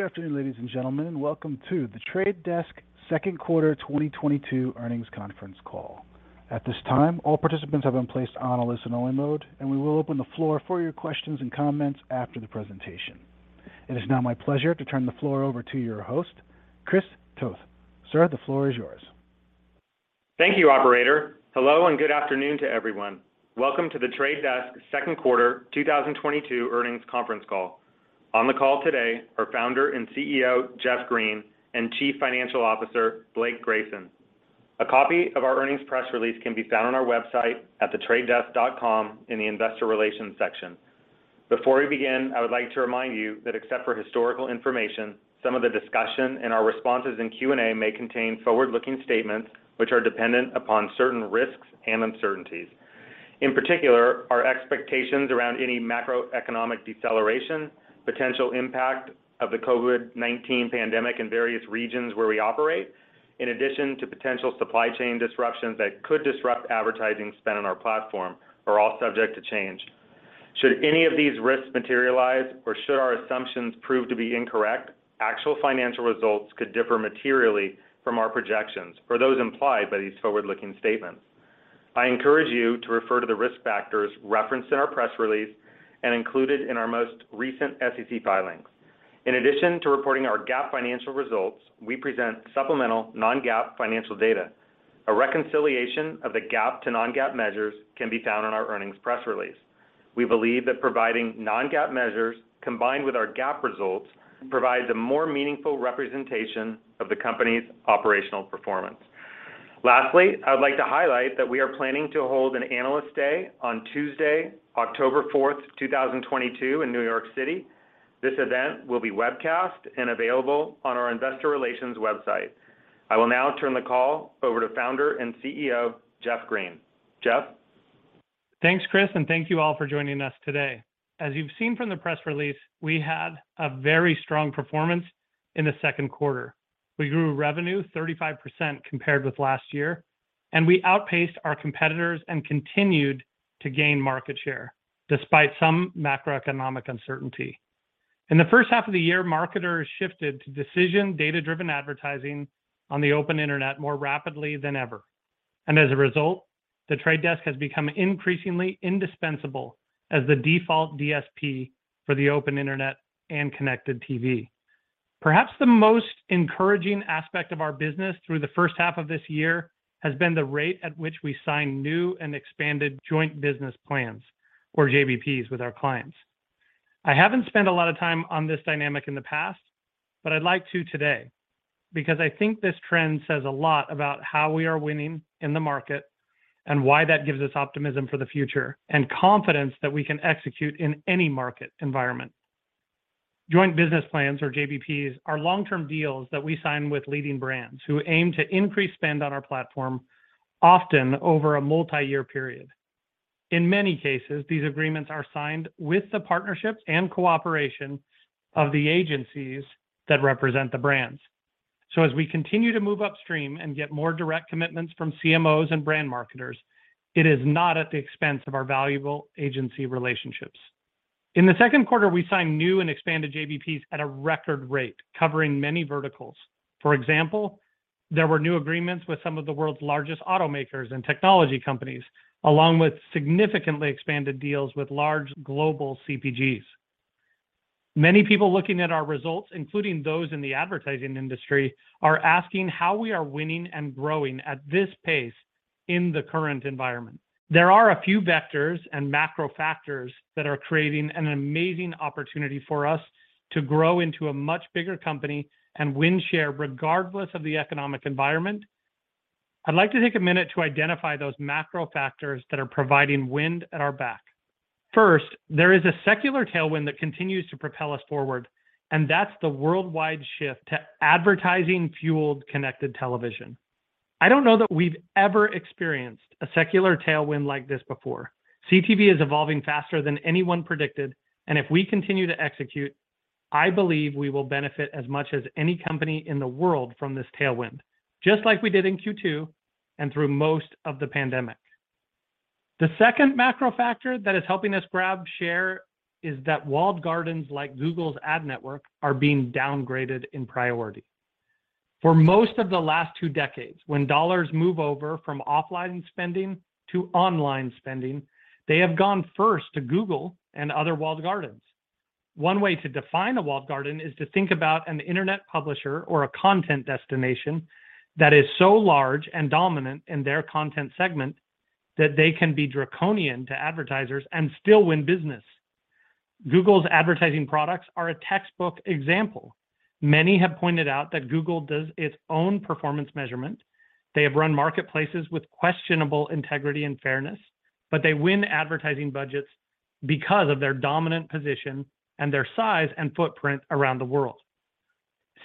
Good afternoon, ladies and gentlemen. Welcome to The Trade Desk second quarter 2022 earnings conference call. At this time, all participants have been placed on a listen-only mode, and we will open the floor for your questions and comments after the presentation. It is now my pleasure to turn the floor over to your host, Chris Toth. Sir, the floor is yours. Thank you, operator. Hello and good afternoon to everyone. Welcome to The Trade Desk second quarter 2022 earnings conference call. On the call today are Founder and CEO Jeff Green and Chief Financial Officer Blake Grayson. A copy of our earnings press release can be found on our website at thetradedesk.com in the investor relations section. Before we begin, I would like to remind you that except for historical information, some of the discussion and our responses in Q&A may contain forward-looking statements which are dependent upon certain risks and uncertainties. In particular, our expectations around any macroeconomic deceleration, potential impact of the COVID-19 pandemic in various regions where we operate, in addition to potential supply chain disruptions that could disrupt advertising spend on our platform are all subject to change. Should any of these risks materialize or should our assumptions prove to be incorrect, actual financial results could differ materially from our projections for those implied by these forward-looking statements. I encourage you to refer to the risk factors referenced in our press release and included in our most recent SEC filings. In addition to reporting our GAAP financial results, we present supplemental non-GAAP financial data. A reconciliation of the GAAP to non-GAAP measures can be found on our earnings press release. We believe that providing non-GAAP measures combined with our GAAP results provides a more meaningful representation of the company's operational performance. Lastly, I would like to highlight that we are planning to hold an Analyst Day on Tuesday, October 4th, 2022 in New York City. This event will be webcast and available on our investor relations website. I will now turn the call over to Founder and CEO, Jeff Green. Jeff? Thanks, Chris, and thank you all for joining us today. As you've seen from the press release, we had a very strong performance in the second quarter. We grew revenue 35% compared with last year, and we outpaced our competitors and continued to gain market share despite some macroeconomic uncertainty. In the first half of the year, marketers shifted to decision data-driven advertising on the open internet more rapidly than ever. As a result, The Trade Desk has become increasingly indispensable as the default DSP for the open internet and Connected TV. Perhaps the most encouraging aspect of our business through the first half of this year has been the rate at which we sign new and expanded joint business plans or JBPs with our clients. I haven't spent a lot of time on this dynamic in the past, but I'd like to today because I think this trend says a lot about how we are winning in the market and why that gives us optimism for the future and confidence that we can execute in any market environment. Joint business plans or JBPs are long-term deals that we sign with leading brands who aim to increase spend on our platform, often over a multi-year period. In many cases, these agreements are signed with the partnerships and cooperation of the agencies that represent the brands. As we continue to move upstream and get more direct commitments from CMOs and brand marketers, it is not at the expense of our valuable agency relationships. In the second quarter, we signed new and expanded JBPs at a record rate, covering many verticals. For example, there were new agreements with some of the world's largest automakers and technology companies, along with significantly expanded deals with large global CPGs. Many people looking at our results, including those in the advertising industry, are asking how we are winning and growing at this pace in the current environment. There are a few vectors and macro factors that are creating an amazing opportunity for us to grow into a much bigger company and win share regardless of the economic environment. I'd like to take a minute to identify those macro factors that are providing wind at our back. First, there is a secular tailwind that continues to propel us forward, and that's the worldwide shift to advertising-fueled connected television. I don't know that we've ever experienced a secular tailwind like this before. CTV is evolving faster than anyone predicted, and if we continue to execute, I believe we will benefit as much as any company in the world from this tailwind, just like we did in Q2 and through most of the pandemic. The second macro factor that is helping us grab share is that walled gardens like Google's Ad Network are being downgraded in priority. For most of the last two decades, when dollars move over from offline spending to online spending, they have gone first to Google and other walled gardens. One way to define a walled garden is to think about an internet publisher or a content destination that is so large and dominant in their content segment that they can be draconian to advertisers and still win business. Google's advertising products are a textbook example. Many have pointed out that Google does its own performance measurement. They have run marketplaces with questionable integrity and fairness, but they win advertising budgets because of their dominant position and their size and footprint around the world.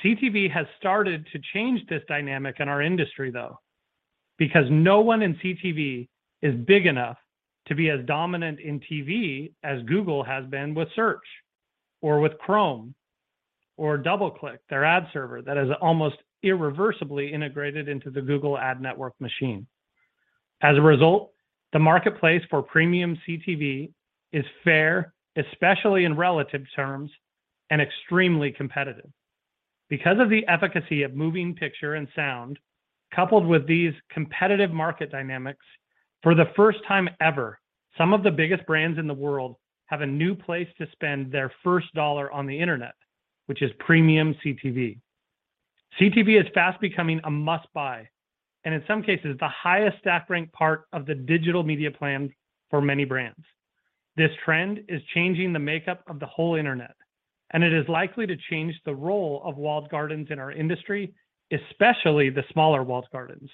CTV has started to change this dynamic in our industry, though, because no one in CTV is big enough to be as dominant in TV as Google has been with Search or with Chrome or DoubleClick, their ad server that is almost irreversibly integrated into the Google Ad Network machine. As a result, the marketplace for premium CTV is fair, especially in relative terms, and extremely competitive. Because of the efficacy of moving picture and sound coupled with these competitive market dynamics, for the first time ever, some of the biggest brands in the world have a new place to spend their first dollar on the Internet, which is premium CTV. CTV is fast becoming a must-buy, and in some cases, the highest stack rank part of the digital media plan for many brands. This trend is changing the makeup of the whole internet, and it is likely to change the role of walled gardens in our industry, especially the smaller walled gardens.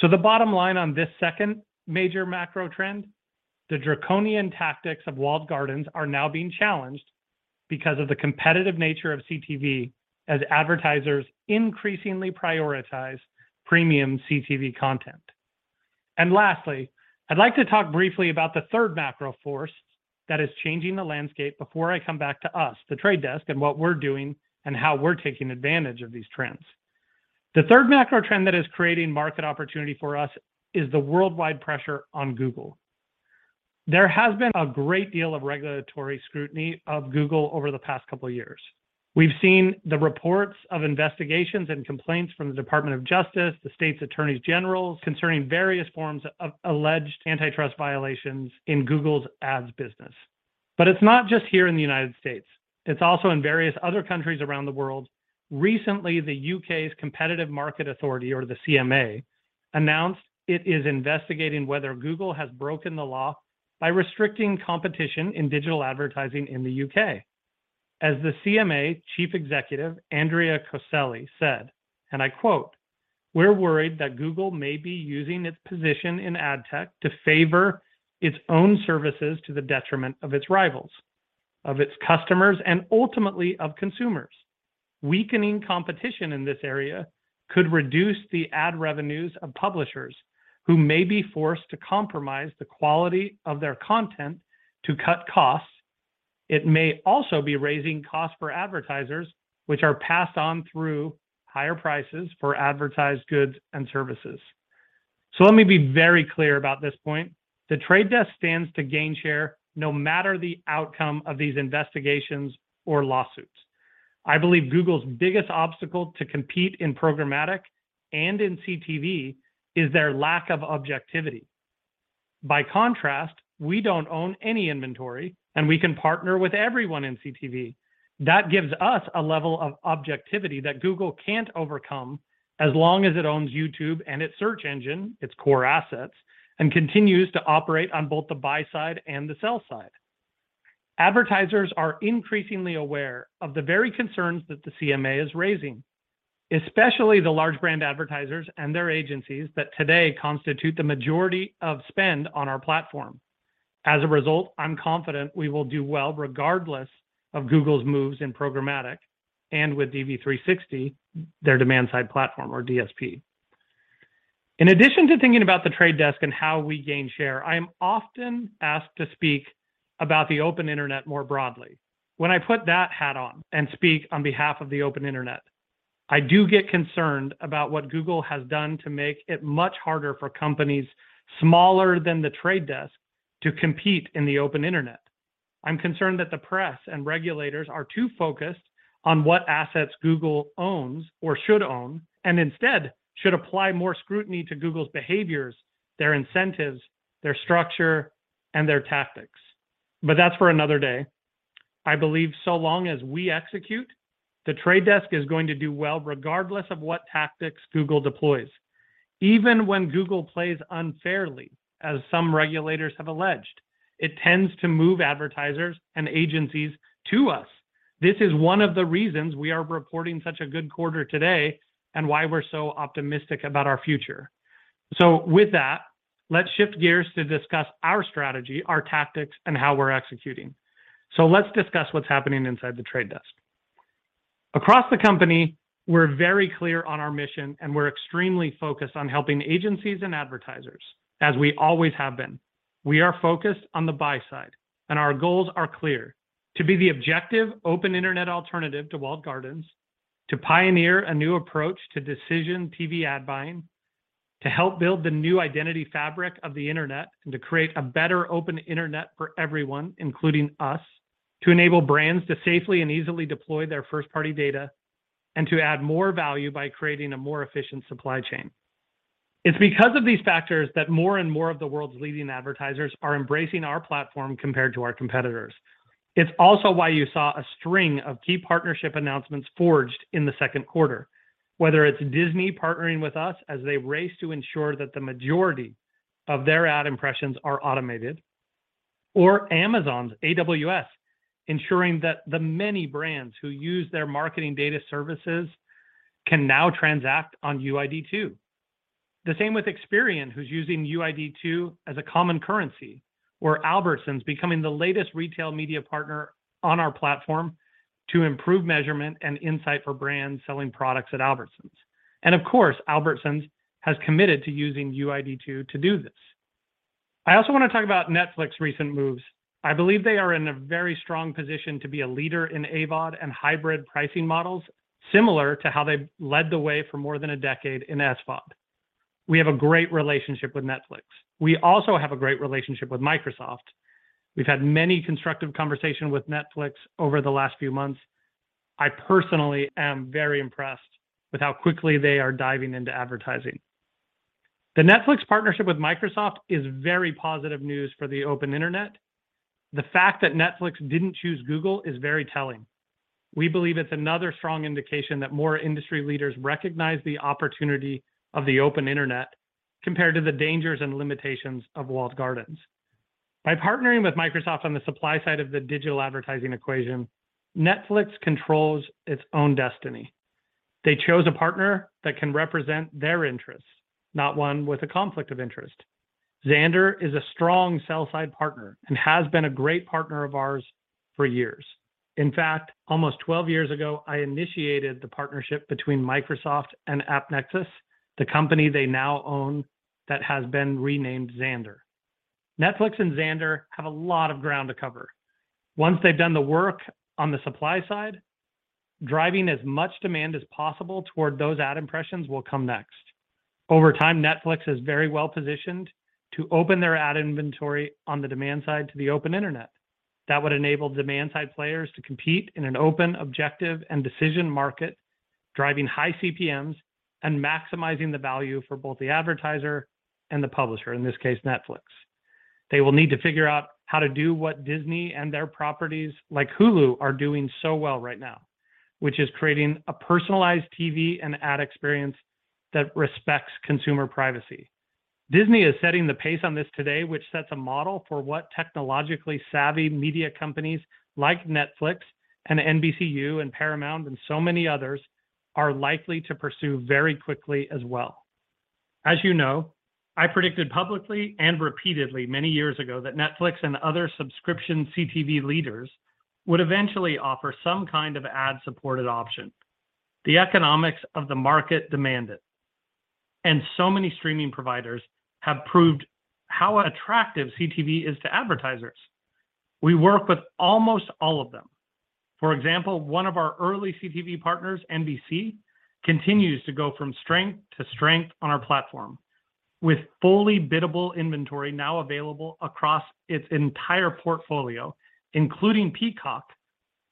The bottom line on this second major macro trend, the draconian tactics of walled gardens are now being challenged because of the competitive nature of CTV as advertisers increasingly prioritize premium CTV content. Lastly, I'd like to talk briefly about the third macro force that is changing the landscape before I come back to us, The Trade Desk, and what we're doing and how we're taking advantage of these trends. The third macro trend that is creating market opportunity for us is the worldwide pressure on Google. There has been a great deal of regulatory scrutiny of Google over the past couple of years. We've seen the reports of investigations and complaints from the Department of Justice, the state attorneys generals concerning various forms of alleged antitrust violations in Google's ads business. It's not just here in the United States, it's also in various other countries around the world. Recently, the U.K.'s Competition and Markets Authority, or the CMA, announced it is investigating whether Google has broken the law by restricting competition in digital advertising in the U.K.. As the CMA Chief Executive, Andrea Coscelli, said, and I quote, "We're worried that Google may be using its position in ad tech to favor its own services to the detriment of its rivals, of its customers, and ultimately of consumers. Weakening competition in this area could reduce the ad revenues of publishers who may be forced to compromise the quality of their content to cut costs. It may also be raising costs for advertisers, which are passed on through higher prices for advertised goods and services. Let me be very clear about this point. The Trade Desk stands to gain share no matter the outcome of these investigations or lawsuits. I believe Google's biggest obstacle to compete in programmatic and in CTV is their lack of objectivity. By contrast, we don't own any inventory, and we can partner with everyone in CTV. That gives us a level of objectivity that Google can't overcome as long as it owns YouTube and its search engine, its core assets, and continues to operate on both the buy side and the sell side. Advertisers are increasingly aware of the very concerns that the CMA is raising, especially the large brand advertisers and their agencies that today constitute the majority of spend on our platform. As a result, I'm confident we will do well regardless of Google's moves in programmatic and with DV360, their demand-side platform or DSP. In addition to thinking about The Trade Desk and how we gain share, I am often asked to speak about the open internet more broadly. When I put that hat on and speak on behalf of the open internet, I do get concerned about what Google has done to make it much harder for companies smaller than The Trade Desk to compete in the open internet. I'm concerned that the press and regulators are too focused on what assets Google owns or should own, and instead should apply more scrutiny to Google's behaviors, their incentives, their structure, and their tactics. That's for another day. I believe so long as we execute, The Trade Desk is going to do well regardless of what tactics Google deploys. Even when Google plays unfairly, as some regulators have alleged, it tends to move advertisers and agencies to us. This is one of the reasons we are reporting such a good quarter today and why we're so optimistic about our future. With that, let's shift gears to discuss our strategy, our tactics, and how we're executing. Let's discuss what's happening inside The Trade Desk. Across the company, we're very clear on our mission, and we're extremely focused on helping agencies and advertisers, as we always have been. We are focused on the buy side, and our goals are clear. To be the objective open internet alternative to walled gardens, to pioneer a new approach to Connected TV ad buying, to help build the new identity fabric of the internet, and to create a better open internet for everyone, including us, to enable brands to safely and easily deploy their first-party data, and to add more value by creating a more efficient supply chain. It's because of these factors that more and more of the world's leading advertisers are embracing our platform compared to our competitors. It's also why you saw a string of key partnership announcements forged in the second quarter. Whether it's Disney partnering with us as they race to ensure that the majority of their ad impressions are automated, or Amazon's AWS ensuring that the many brands who use their marketing data services can now transact on UID2. The same with Experian, who's using UID2 as a common currency, or Albertsons becoming the latest retail media partner on our platform to improve measurement and insight for brands selling products at Albertsons. Of course, Albertsons has committed to using UID2 to do this. I also wanna talk about Netflix's recent moves. I believe they are in a very strong position to be a leader in AVOD and hybrid pricing models, similar to how they led the way for more than a decade in SVOD. We have a great relationship with Netflix. We also have a great relationship with Microsoft. We've had many constructive conversations with Netflix over the last few months. I personally am very impressed with how quickly they are diving into advertising. The Netflix partnership with Microsoft is very positive news for the open internet. The fact that Netflix didn't choose Google is very telling. We believe it's another strong indication that more industry leaders recognize the opportunity of the open internet compared to the dangers and limitations of walled gardens. By partnering with Microsoft on the supply side of the digital advertising equation, Netflix controls its own destiny. They chose a partner that can represent their interests, not one with a conflict of interest. Xandr is a strong sell-side partner and has been a great partner of ours for years. In fact, almost 12 years ago, I initiated the partnership between Microsoft and AppNexus, the company they now own that has been renamed Xandr. Netflix and Xandr have a lot of ground to cover. Once they've done the work on the supply side, driving as much demand as possible toward those ad impressions will come next. Over time, Netflix is very well-positioned to open their ad inventory on the demand side to the open internet. That would enable demand-side players to compete in an open, objective, and decentralized market, driving high CPMs and maximizing the value for both the advertiser and the publisher, in this case, Netflix. They will need to figure out how to do what Disney and their properties like Hulu are doing so well right now, which is creating a personalized TV and ad experience that respects consumer privacy. Disney is setting the pace on this today, which sets a model for what technologically savvy media companies like Netflix and NBCU and Paramount and so many others are likely to pursue very quickly as well. As you know, I predicted publicly and repeatedly many years ago that Netflix and other subscription CTV leaders would eventually offer some kind of ad-supported option. The economics of the market demand it, and so many streaming providers have proved how attractive CTV is to advertisers. We work with almost all of them. For example, one of our early CTV partners, NBC, continues to go from strength to strength on our platform, with fully biddable inventory now available across its entire portfolio, including Peacock,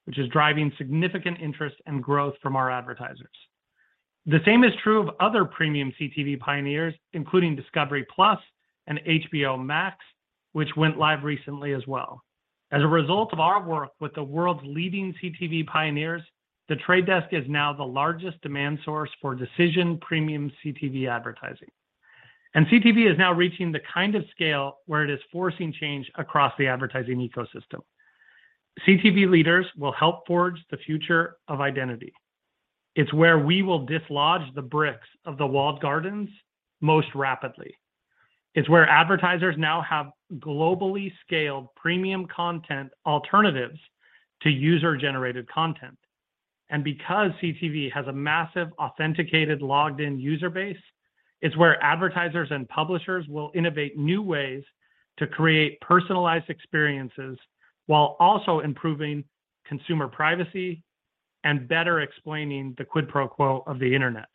which is driving significant interest and growth from our advertisers. The same is true of other premium CTV pioneers, including discovery+ and HBO Max, which went live recently as well. As a result of our work with the world's leading CTV pioneers, The Trade Desk is now the largest demand source for decision premium CTV advertising. CTV is now reaching the kind of scale where it is forcing change across the advertising ecosystem. CTV leaders will help forge the future of identity. It's where we will dislodge the bricks of the walled gardens most rapidly. It's where advertisers now have globally scaled premium content alternatives to user-generated content. Because CTV has a massive authenticated logged-in user base, it's where advertisers and publishers will innovate new ways to create personalized experiences while also improving consumer privacy and better explaining the quid pro quo of the internet.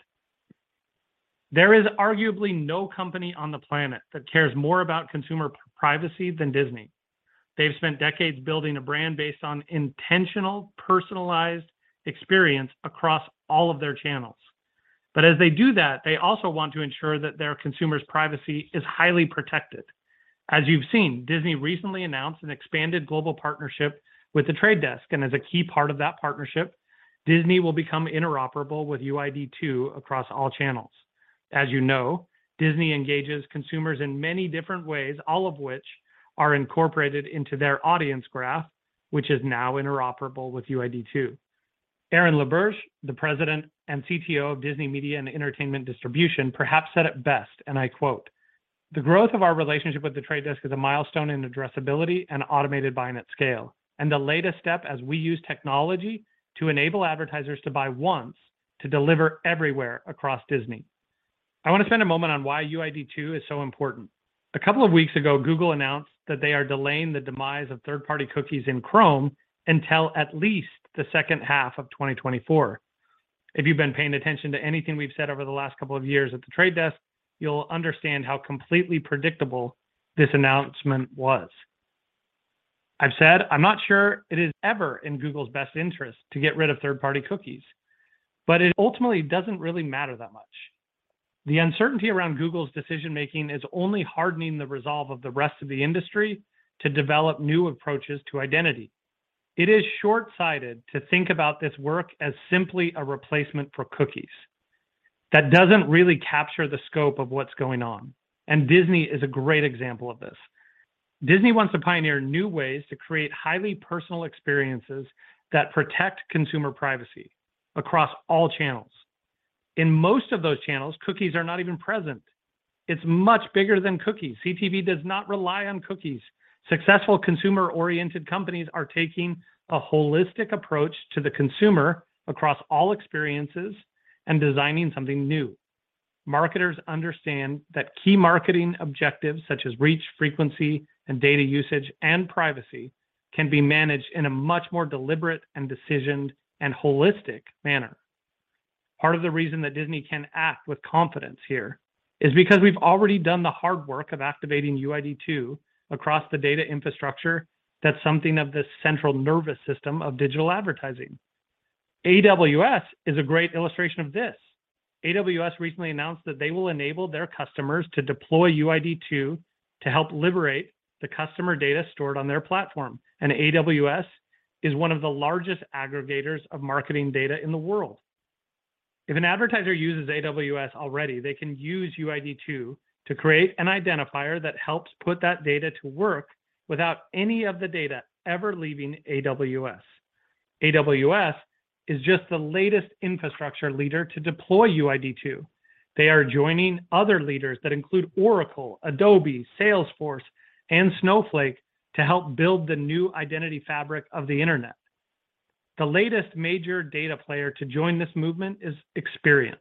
There is arguably no company on the planet that cares more about consumer privacy than Disney. They've spent decades building a brand based on intentional, personalized experience across all of their channels. As they do that, they also want to ensure that their consumers' privacy is highly protected. As you've seen, Disney recently announced an expanded global partnership with The Trade Desk, and as a key part of that partnership, Disney will become interoperable with UID2 across all channels. As you know, Disney engages consumers in many different ways, all of which are incorporated into their audience graph, which is now interoperable with UID2. Aaron LaBerge, the President and CTO of Disney Media and Entertainment Distribution, perhaps said it best, and I quote, "The growth of our relationship with The Trade Desk is a milestone in addressability and automated buying at scale, and the latest step as we use technology to enable advertisers to buy once to deliver everywhere across Disney." I wanna spend a moment on why UID2 is so important. A couple of weeks ago, Google announced that they are delaying the demise of third-party cookies in Chrome until at least the second half of 2024. If you've been paying attention to anything we've said over the last couple of years at The Trade Desk, you'll understand how completely predictable this announcement was. I've said I'm not sure it is ever in Google's best interest to get rid of third-party cookies, but it ultimately doesn't really matter that much. The uncertainty around Google's decision-making is only hardening the resolve of the rest of the industry to develop new approaches to identity. It is shortsighted to think about this work as simply a replacement for cookies. That doesn't really capture the scope of what's going on, and Disney is a great example of this. Disney wants to pioneer new ways to create highly personal experiences that protect consumer privacy across all channels. In most of those channels, cookies are not even present. It's much bigger than cookies. CTV does not rely on cookies. Successful consumer-oriented companies are taking a holistic approach to the consumer across all experiences. Designing something new. Marketers understand that key marketing objectives such as reach, frequency, and data usage and privacy can be managed in a much more deliberate and decisioned and holistic manner. Part of the reason that Disney can act with confidence here is because we've already done the hard work of activating UID2 across the data infrastructure that's something of this central nervous system of digital advertising. AWS is a great illustration of this. AWS recently announced that they will enable their customers to deploy UID2 to help liberate the customer data stored on their platform. AWS is one of the largest aggregators of marketing data in the world. If an advertiser uses AWS already, they can use UID2 to create an identifier that helps put that data to work without any of the data ever leaving AWS. AWS is just the latest infrastructure leader to deploy UID2. They are joining other leaders that include Oracle, Adobe, Salesforce, and Snowflake to help build the new identity fabric of the internet. The latest major data player to join this movement is Experian.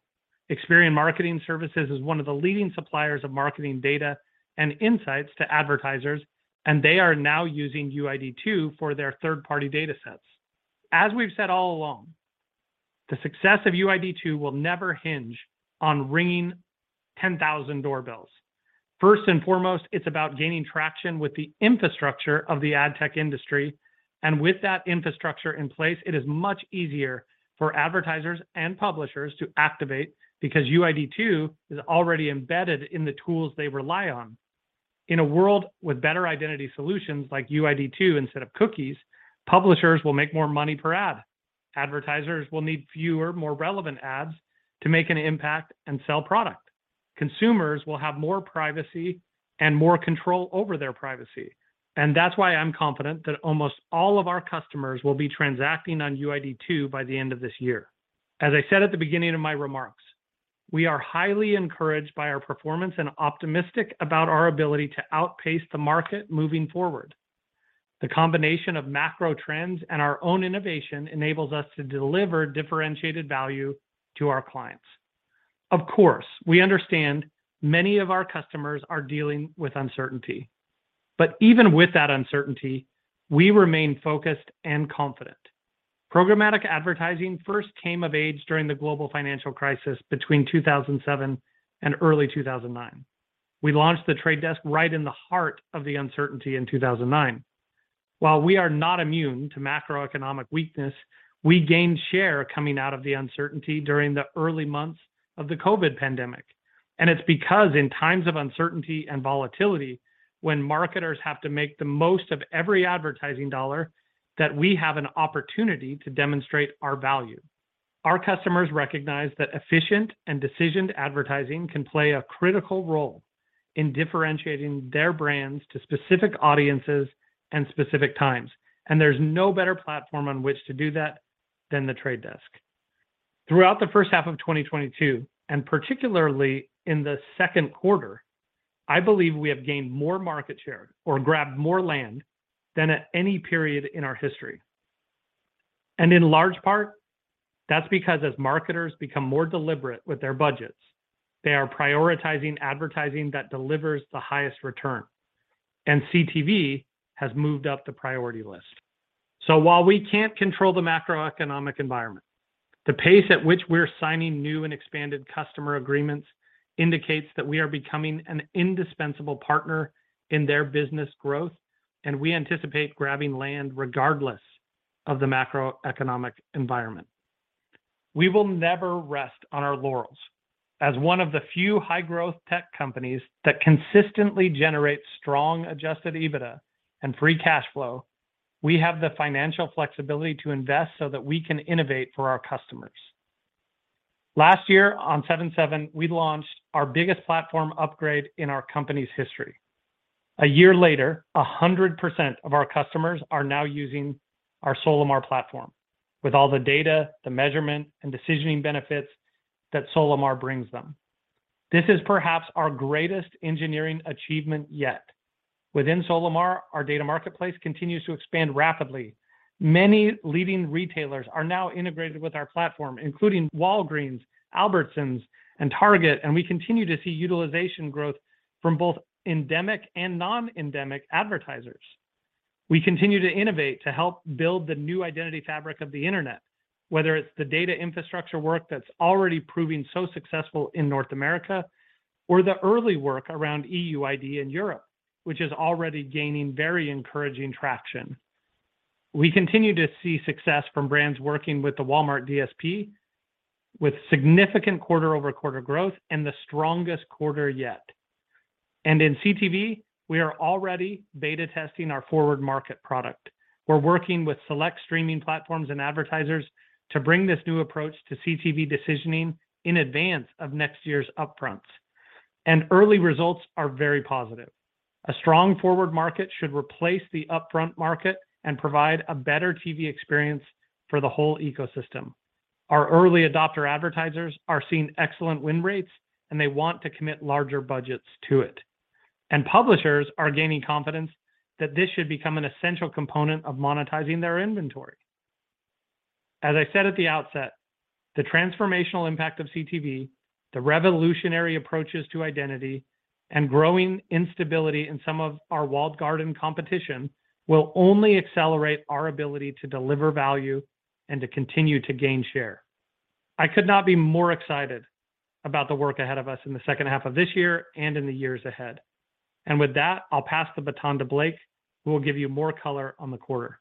Experian Marketing Services is one of the leading suppliers of marketing data and insights to advertisers, and they are now using UID2 for their third-party datasets. As we've said all along, the success of UID2 will never hinge on ringing 10,000 doorbells. First and foremost, it's about gaining traction with the infrastructure of the ad tech industry. With that infrastructure in place, it is much easier for advertisers and publishers to activate because UID2 is already embedded in the tools they rely on. In a world with better identity solutions like UID2 instead of cookies, publishers will make more money per ad. Advertisers will need fewer, more relevant ads to make an impact and sell product. Consumers will have more privacy and more control over their privacy. That's why I'm confident that almost all of our customers will be transacting on UID2 by the end of this year. As I said at the beginning of my remarks, we are highly encouraged by our performance and optimistic about our ability to outpace the market moving forward. The combination of macro trends and our own innovation enables us to deliver differentiated value to our clients. Of course, we understand many of our customers are dealing with uncertainty, but even with that uncertainty, we remain focused and confident. Programmatic advertising first came of age during the global financial crisis between 2007 and early 2009. We launched The Trade Desk right in the heart of the uncertainty in 2009. While we are not immune to macroeconomic weakness, we gained share coming out of the uncertainty during the early months of the COVID pandemic. It's because in times of uncertainty and volatility, when marketers have to make the most of every advertising dollar, that we have an opportunity to demonstrate our value. Our customers recognize that efficient and decisioned advertising can play a critical role in differentiating their brands to specific audiences and specific times, and there's no better platform on which to do that than The Trade Desk. Throughout the first half of 2022, and particularly in the second quarter, I believe we have gained more market share or grabbed more land than at any period in our history. In large part, that's because as marketers become more deliberate with their budgets, they are prioritizing advertising that delivers the highest return, and CTV has moved up the priority list. While we can't control the macroeconomic environment, the pace at which we're signing new and expanded customer agreements indicates that we are becoming an indispensable partner in their business growth, and we anticipate grabbing land regardless of the macroeconomic environment. We will never rest on our laurels. As one of the few high-growth tech companies that consistently generate strong adjusted EBITDA and free cash flow, we have the financial flexibility to invest so that we can innovate for our customers. Last year on July 7, we launched our biggest platform upgrade in our company's history. A year later, 100% of our customers are now using our Solimar platform with all the data, the measurement, and decisioning benefits that Solimar brings them. This is perhaps our greatest engineering achievement yet. Within Solimar, our data marketplace continues to expand rapidly. Many leading retailers are now integrated with our platform, including Walgreens, Albertsons, and Target, and we continue to see utilization growth from both endemic and non-endemic advertisers. We continue to innovate to help build the new identity fabric of the internet, whether it's the data infrastructure work that's already proving so successful in North America or the early work around EUID in Europe, which is already gaining very encouraging traction. We continue to see success from brands working with the Walmart DSP with significant quarter-over-quarter growth and the strongest quarter yet. In CTV, we are already beta testing our forward market product. We're working with select streaming platforms and advertisers to bring this new approach to CTV decisioning in advance of next year's upfronts. Early results are very positive. A strong forward market should replace the upfront market and provide a better TV experience for the whole ecosystem. Our early adopter advertisers are seeing excellent win rates, and they want to commit larger budgets to it. Publishers are gaining confidence that this should become an essential component of monetizing their inventory. As I said at the outset, the transformational impact of CTV, the revolutionary approaches to identity, and growing instability in some of our walled garden competition will only accelerate our ability to deliver value and to continue to gain share. I could not be more excited about the work ahead of us in the second half of this year and in the years ahead. With that, I'll pass the baton to Blake, who will give you more color on the quarter.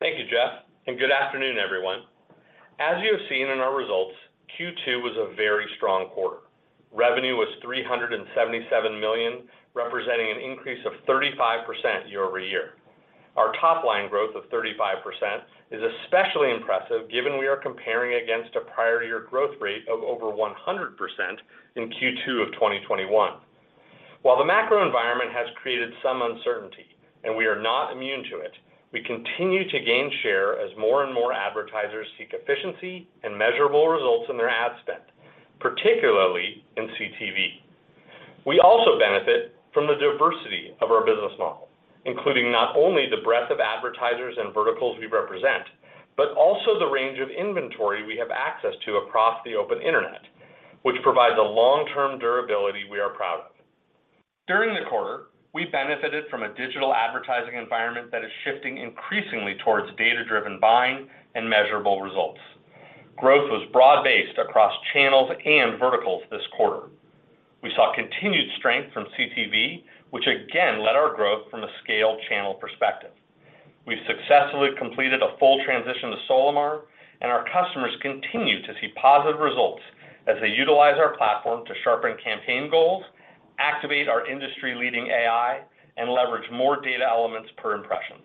Thank you, Jeff, and good afternoon, everyone. As you have seen in our results, Q2 was a very strong quarter. Revenue was $377 million, representing an increase of 35% year-over-year. Our top line growth of 35% is especially impressive, given we are comparing against a prior year growth rate of over 100% in Q2 of 2021. While the macro environment has created some uncertainty, and we are not immune to it, we continue to gain share as more and more advertisers seek efficiency and measurable results in their ad spend, particularly in CTV. We also benefit from the diversity of our business model, including not only the breadth of advertisers and verticals we represent, but also the range of inventory we have access to across the open internet, which provides the long-term durability we are proud of. During the quarter, we benefited from a digital advertising environment that is shifting increasingly towards data-driven buying and measurable results. Growth was broad-based across channels and verticals this quarter. We saw continued strength from CTV, which again led our growth from a scale channel perspective. We've successfully completed a full transition to Solimar, and our customers continue to see positive results as they utilize our platform to sharpen campaign goals, activate our industry-leading AI, and leverage more data elements per impression.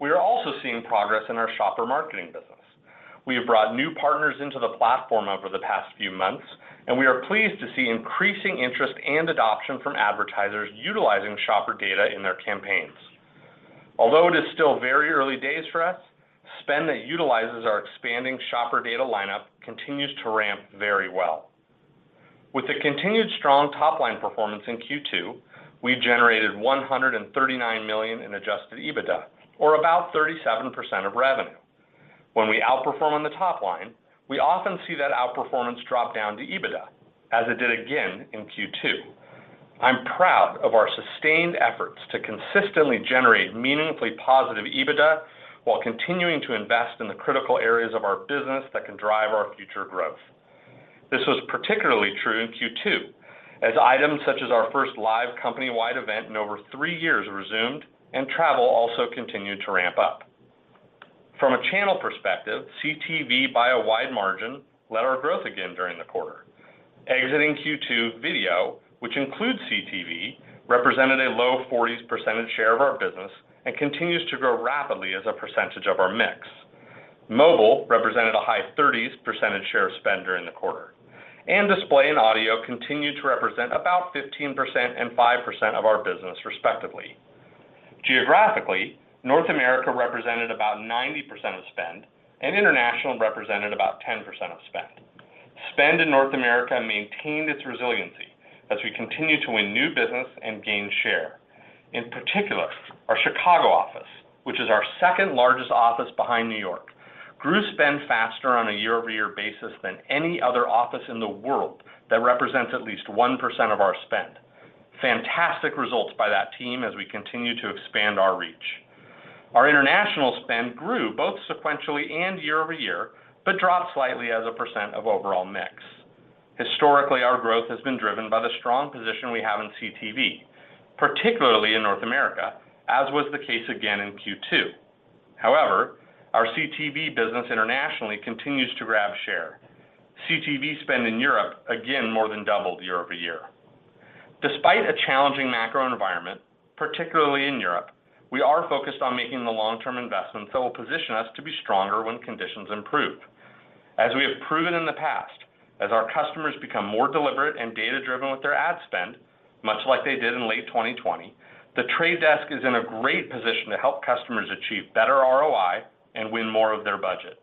We are also seeing progress in our shopper marketing business. We have brought new partners into the platform over the past few months, and we are pleased to see increasing interest and adoption from advertisers utilizing shopper data in their campaigns. Although it is still very early days for us, spend that utilizes our expanding shopper data lineup continues to ramp very well. With the continued strong top-line performance in Q2, we generated $139 million in adjusted EBITDA, or about 37% of revenue. When we outperform on the top line, we often see that outperformance drop down to EBITDA, as it did again in Q2. I'm proud of our sustained efforts to consistently generate meaningfully positive EBITDA while continuing to invest in the critical areas of our business that can drive our future growth. This was particularly true in Q2, as items such as our first live company-wide event in over three years resumed, and travel also continued to ramp up. From a channel perspective, CTV by a wide margin led our growth again during the quarter. Exiting Q2, video, which includes CTV, represented a low 40s% share of our business and continues to grow rapidly as a percentage of our mix. Mobile represented a high 30s% share of spend during the quarter, and display and audio continued to represent about 15% and 5% of our business, respectively. Geographically, North America represented about 90% of spend, and international represented about 10% of spend. Spend in North America maintained its resiliency as we continue to win new business and gain share. In particular, our Chicago office, which is our second-largest office behind New York, grew spend faster on a year-over-year basis than any other office in the world that represents at least 1% of our spend. Fantastic results by that team as we continue to expand our reach. Our international spend grew both sequentially and year-over-year, but dropped slightly as a percent of overall mix. Historically, our growth has been driven by the strong position we have in CTV, particularly in North America, as was the case again in Q2. However, our CTV business internationally continues to grab share. CTV spend in Europe again more than doubled year-over-year. Despite a challenging macro environment, particularly in Europe, we are focused on making the long-term investments that will position us to be stronger when conditions improve. As we have proven in the past, as our customers become more deliberate and data-driven with their ad spend, much like they did in late 2020, The Trade Desk is in a great position to help customers achieve better ROI and win more of their budget.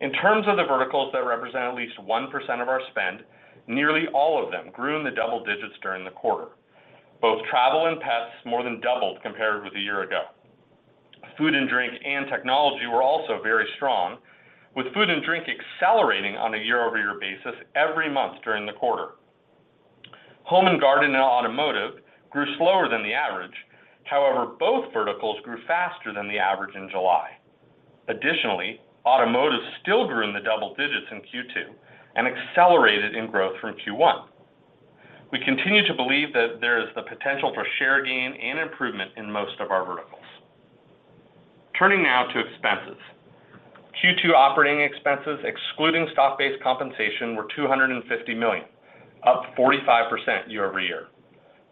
In terms of the verticals that represent at least 1% of our spend, nearly all of them grew in the double digits during the quarter. Both travel and pets more than doubled compared with a year ago. Food and drink and technology were also very strong, with food and drink accelerating on a year-over-year basis every month during the quarter. Home and garden and automotive grew slower than the average. However, both verticals grew faster than the average in July. Additionally, automotive still grew in the double digits in Q2 and accelerated in growth from Q1. We continue to believe that there is the potential for share gain and improvement in most of our verticals. Turning now to expenses. Q2 operating expenses, excluding stock-based compensation, were $250 million, up 45% year-over-year.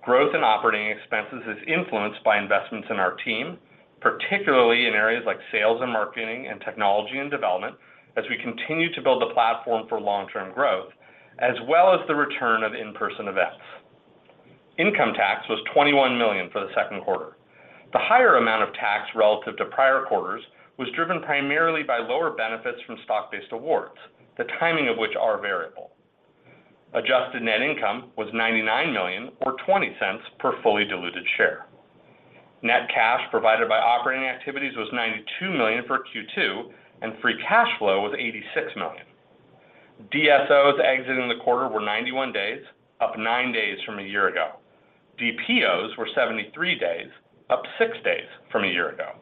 Growth in operating expenses is influenced by investments in our team, particularly in areas like sales and marketing and technology and development, as we continue to build the platform for long-term growth, as well as the return of in-person events. Income tax was $21 million for the second quarter. The higher amount of tax relative to prior quarters was driven primarily by lower benefits from stock-based awards, the timing of which are variable. Adjusted net income was $99 million or $0.20 per fully diluted share. Net cash provided by operating activities was $92 million for Q2, and free cash flow was $86 million. DSOs exiting the quarter were 91 days, up nine days from a year ago. DPOs were 73 days, up six days from a year ago.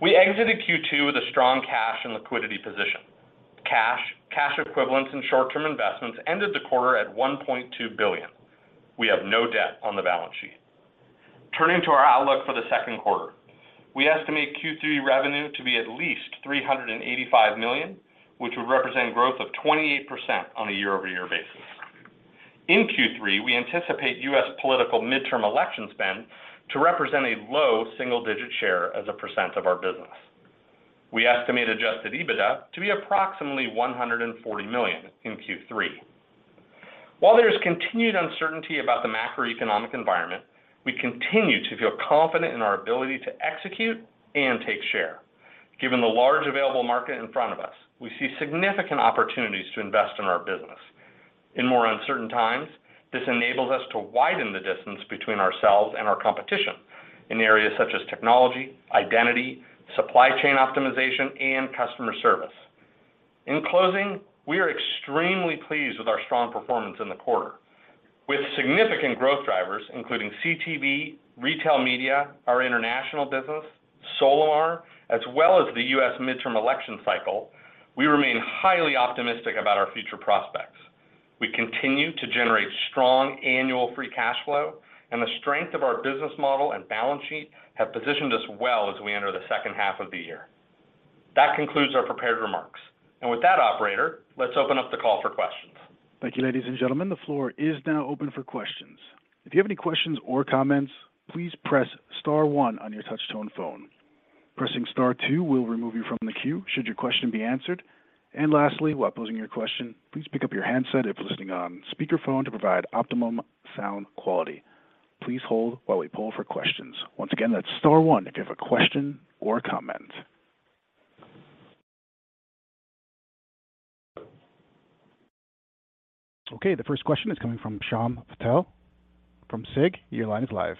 We exited Q2 with a strong cash and liquidity position. Cash, cash equivalents, and short-term investments ended the quarter at $1.2 billion. We have no debt on the balance sheet. Turning to our outlook for the second quarter. We estimate Q3 revenue to be at least $385 million, which would represent growth of 28% on a year-over-year basis. In Q3, we anticipate U.S. political midterm election spend to represent a low single-digit share as a percent of our business. We estimate adjusted EBITDA to be approximately $140 million in Q3. While there is continued uncertainty about the macroeconomic environment, we continue to feel confident in our ability to execute and take share. Given the large available market in front of us, we see significant opportunities to invest in our business. In more uncertain times, this enables us to widen the distance between ourselves and our competition in areas such as technology, identity, supply chain optimization, and customer service. In closing, we are extremely pleased with our strong performance in the quarter. With significant growth drivers, including CTV, retail media, our international business, Solimar, as well as the U.S. midterm election cycle, we remain highly optimistic about our future prospects. We continue to generate strong annual free cash flow, and the strength of our business model and balance sheet have positioned us well as we enter the second half of the year. That concludes our prepared remarks. With that operator, let's open up the call for questions. Thank you, ladies and gentlemen. The floor is now open for questions. If you have any questions or comments, please press star one on your touch-tone phone. Pressing star two will remove you from the queue should your question be answered. Lastly, while posing your question, please pick up your handset if listening on speaker phone to provide optimum sound quality. Please hold while we poll for questions. Once again, that's star one if you have a question or comment. Okay, the first question is coming from Shyam Patil from SIG. Your line is live.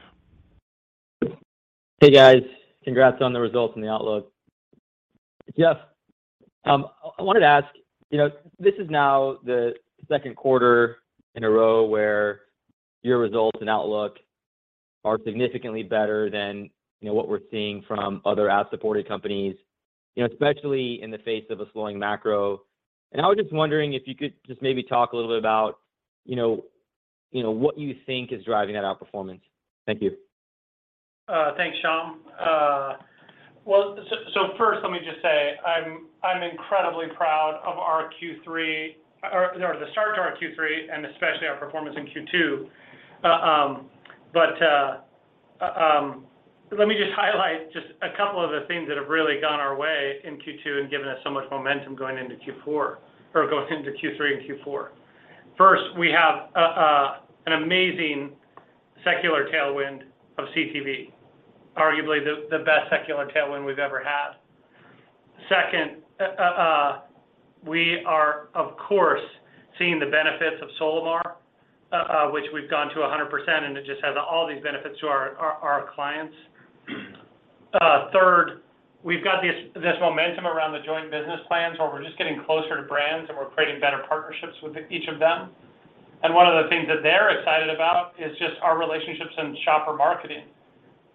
Hey, guys. Congrats on the results and the outlook. Jeff, I wanted to ask, you know, this is now the second quarter in a row where your results and outlook are significantly better than, you know, what we're seeing from other ad-supported companies, you know, especially in the face of a slowing macro. I was just wondering if you could just maybe talk a little bit about, you know, what you think is driving that outperformance. Thank you. Thanks, Shyam. First, let me just say I'm incredibly proud of our Q3, or the start to our Q3, and especially our performance in Q2. Let me just highlight just a couple of the things that have really gone our way in Q2 and given us so much momentum going into Q4 or going into Q3 and Q4. First, we have an amazing secular tailwind of CTV, arguably the best secular tailwind we've ever had. Second, we are, of course, seeing the benefits of Solimar, which we've gone to 100%, and it just has all these benefits to our clients. Third, we've got this momentum around the joint business plans where we're just getting closer to brands, and we're creating better partnerships with each of them. One of the things that they're excited about is just our relationships in shopper marketing.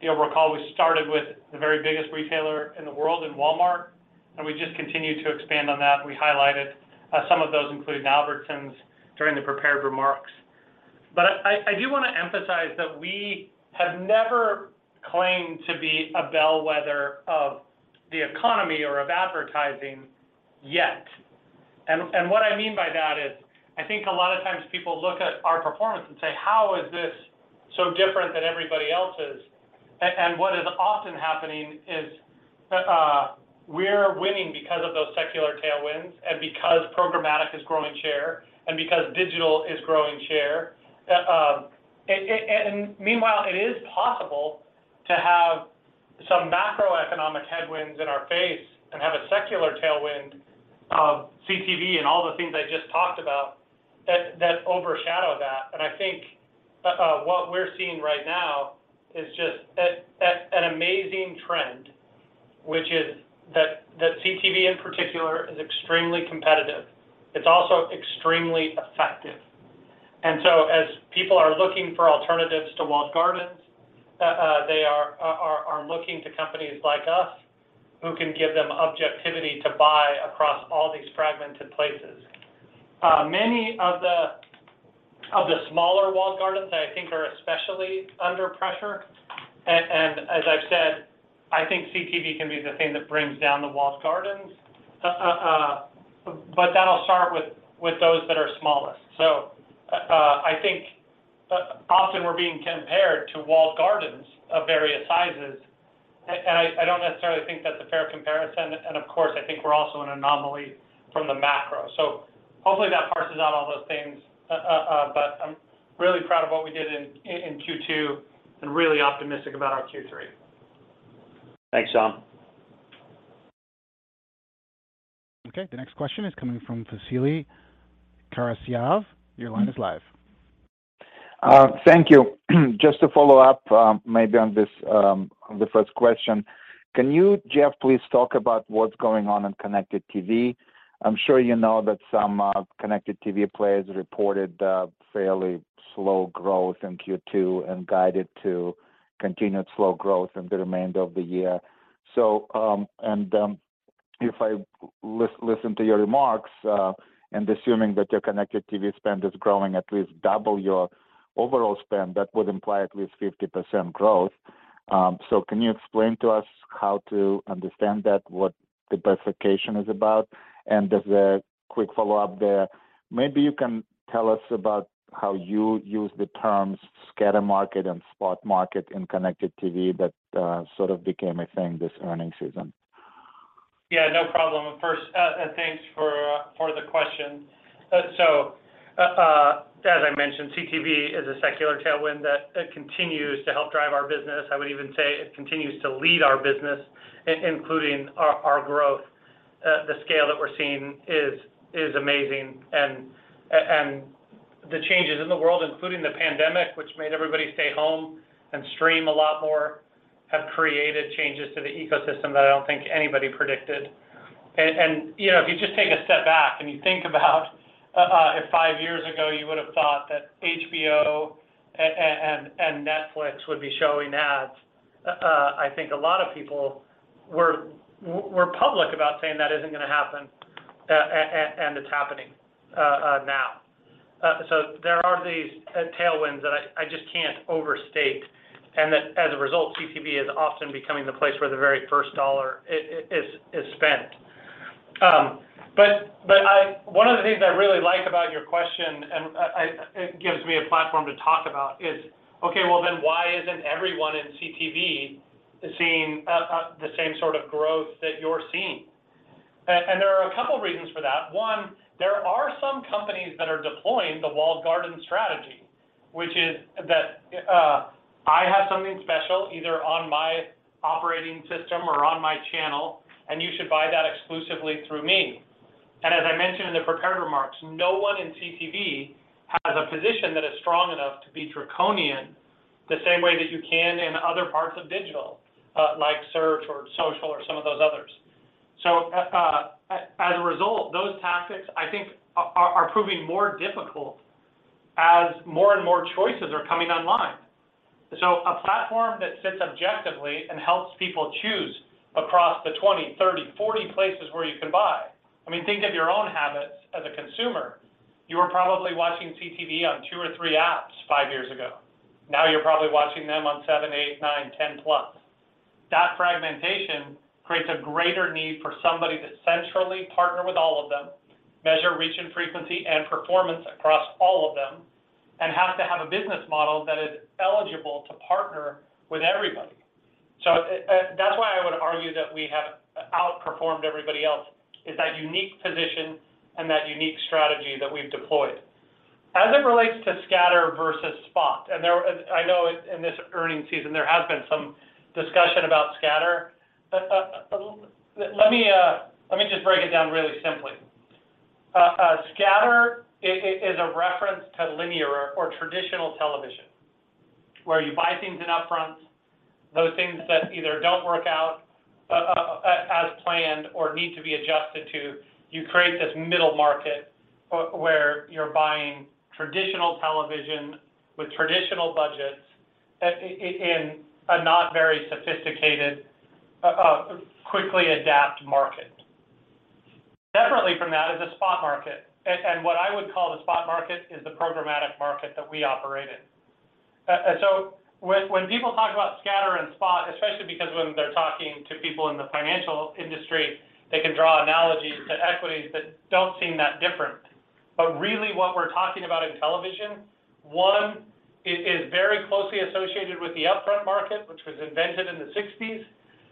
You'll recall we started with the very biggest retailer in the world in Walmart, and we just continue to expand on that. We highlighted some of those, including Albertsons, during the prepared remarks. I do wanna emphasize that we have never claimed to be a bellwether of the economy or of advertising yet. What I mean by that is, I think a lot of times people look at our performance and say, "How is this so different than everybody else's?" What is often happening is, we're winning because of those secular tailwinds and because programmatic is growing share and because digital is growing share. Meanwhile, it is possible to have some macroeconomic headwinds in our face and have a secular tailwind of CTV and all the things I just talked about that overshadow that. I think what we're seeing right now is just an amazing trend, which is that CTV, in particular, is extremely competitive. It's also extremely effective. As people are looking for alternatives to walled gardens, they are looking to companies like us who can give them objectivity to buy across all these fragmented places. Many of the smaller walled gardens that I think are especially under pressure, and as I've said, I think CTV can be the thing that brings down the walled gardens. But that'll start with those that are smallest. Often we're being compared to walled gardens of various sizes. And I don't necessarily think that's a fair comparison, and of course, I think we're also an anomaly from the macro. Hopefully that parses out all those things. But I'm really proud of what we did in Q2 and really optimistic about our Q3. Thanks, Jeff. Okay. The next question is coming from Vasily Karasyov. Your line is live. Thank you. Just to follow up, maybe on this, on the first question. Can you, Jeff, please talk about what's going on in Connected TV? I'm sure you know that some Connected TV players reported fairly slow growth in Q2 and guided to continued slow growth in the remainder of the year. If I listen to your remarks, and assuming that your Connected TV spend is growing at least double your overall spend, that would imply at least 50% growth. So can you explain to us how to understand that, what the diversification is about? And as a quick follow-up there, maybe you can tell us about how you use the terms scatter market and spot market in Connected TV that sort of became a thing this earnings season. Yeah, no problem. First, thanks for the question. As I mentioned, CTV is a secular tailwind that continues to help drive our business. I would even say it continues to lead our business including our growth. The scale that we're seeing is amazing and the changes in the world, including the pandemic, which made everybody stay home and stream a lot more, have created changes to the ecosystem that I don't think anybody predicted. You know, if you just take a step back and you think about if five years ago, you would have thought that HBO and Netflix would be showing ads, I think a lot of people were public about saying that isn't gonna happen, and it's happening now. There are these tailwinds that I just can't overstate, and that as a result, CTV is often becoming the place where the very first dollar is spent. One of the things I really like about your question, and it gives me a platform to talk about is, okay, well, then why isn't everyone in CTV seeing the same sort of growth that you're seeing? There are a couple of reasons for that. One, there are some companies that are deploying the walled garden strategy, which is that I have something special either on my operating system or on my channel, and you should buy that exclusively through me. As I mentioned in the prepared remarks, no one in CTV has a position that is strong enough to be draconian the same way that you can in other parts of digital, like search or social or some of those others. As a result, those tactics, I think are proving more difficult as more and more choices are coming online. A platform that sits objectively and helps people choose across the 20, 30, 40 places where you can buy. I mean, think of your own habits as a consumer. You were probably watching CTV on two or three apps five years ago. Now you're probably watching them on seven, eight, nine, 10+. That fragmentation creates a greater need for somebody to centrally partner with all of them, measure reach and frequency and performance across all of them, and have to have a business model that is eligible to partner with everybody. That's why I would argue that we have outperformed everybody else, is that unique position and that unique strategy that we've deployed. As it relates to scatter versus spot, and there I know in this earnings season, there has been some discussion about scatter. Let me just break it down really simply. Scatter is a reference to linear or traditional television, where you buy things in upfront. Those things that either don't work out, as planned or need to be adjusted to, you create this middle market where you're buying traditional television with traditional budgets in a not very sophisticated, quickly adapting market. Separately from that is a spot market. What I would call the spot market is the programmatic market that we operate in. When people talk about scatter and spot, especially because when they're talking to people in the financial industry, they can draw analogies to equities that don't seem that different. Really what we're talking about in television, one, it is very closely associated with the upfront market, which was invented in the 1960s.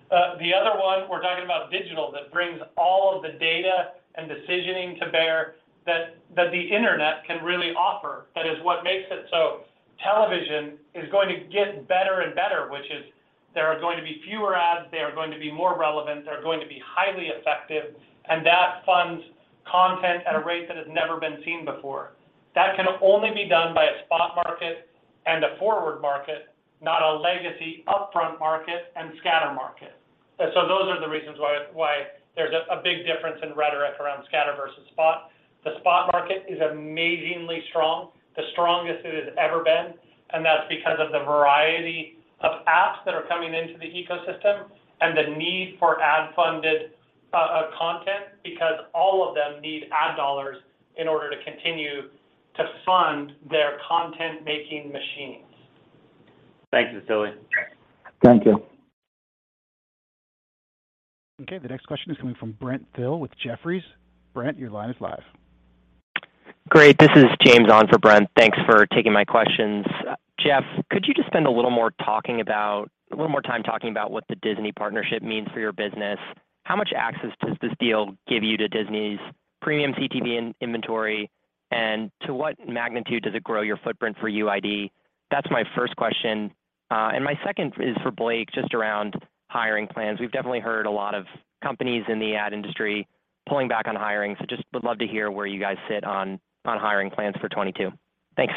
The other one, we're talking about digital that brings all of the data and decisioning to bear that the internet can really offer. That is what makes it so. Television is going to get better and better, which is there are going to be fewer ads, they are going to be more relevant, they are going to be highly effective, and that funds content at a rate that has never been seen before. That can only be done by a spot market and a forward market, not a legacy upfront market and scatter market. Those are the reasons why there's a big difference in rhetoric around scatter versus spot. The spot market is amazingly strong, the strongest it has ever been. That's because of the variety of apps that are coming into the ecosystem and the need for ad-funded content because all of them need ad dollars in order to continue to fund their content-making machines. Thank you, Vasily. Sure. Thank you. Okay, the next question is coming from Brent Thill with Jefferies. Brent, your line is live. Great. This is James on for Brent. Thanks for taking my questions. Jeff, could you just spend a little more time talking about what the Disney partnership means for your business? How much access does this deal give you to Disney's premium CTV inventory? And to what magnitude does it grow your footprint for UID? That's my first question. And my second is for Blake, just around hiring plans. We've definitely heard a lot of companies in the ad industry pulling back on hiring. So just would love to hear where you guys sit on hiring plans for 2022. Thanks.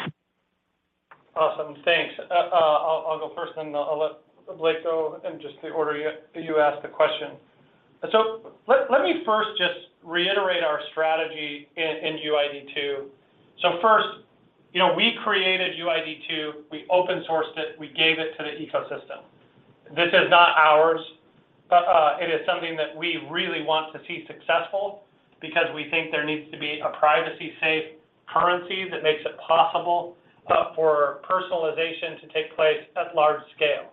Awesome. Thanks. I'll go first, and I'll let Blake go in just the order you asked the question. Let me first just reiterate our strategy in UID2. First, you know, we created UID2, we open sourced it, we gave it to the ecosystem. This is not ours, but it is something that we really want to see successful because we think there needs to be a privacy safe currency that makes it possible for personalization to take place at large scale.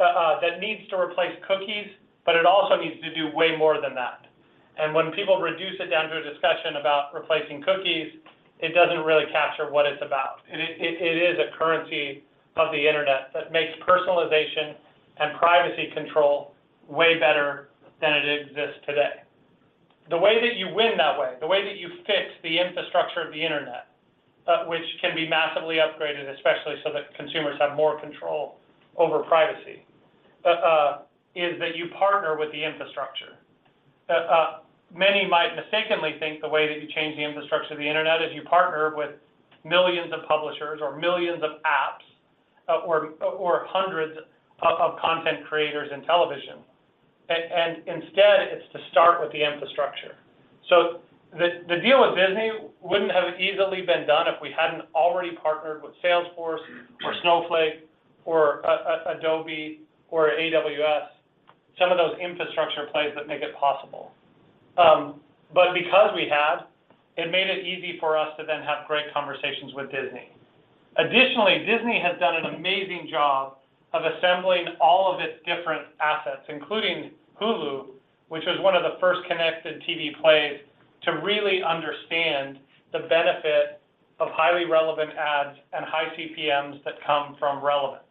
That needs to replace cookies, but it also needs to do way more than that. When people reduce it down to a discussion about replacing cookies, it doesn't really capture what it's about. It is a currency of the internet that makes personalization and privacy control way better than it exists today. The way that you win that way, the way that you fix the infrastructure of the internet, which can be massively upgraded, especially so that consumers have more control over privacy, is that you partner with the infrastructure. Many might mistakenly think the way that you change the infrastructure of the internet is you partner with millions of publishers or millions of apps or hundreds of content creators in television. Instead, it's to start with the infrastructure. The deal with Disney wouldn't have easily been done if we hadn't already partnered with Salesforce or Snowflake or Adobe or AWS, some of those infrastructure plays that make it possible. Because we have, it made it easy for us to then have great conversations with Disney. Additionally, Disney has done an amazing job of assembling all of its different assets, including Hulu, which was one of the first Connected TV plays to really understand the benefit of highly relevant ads and high CPMs that come from relevance.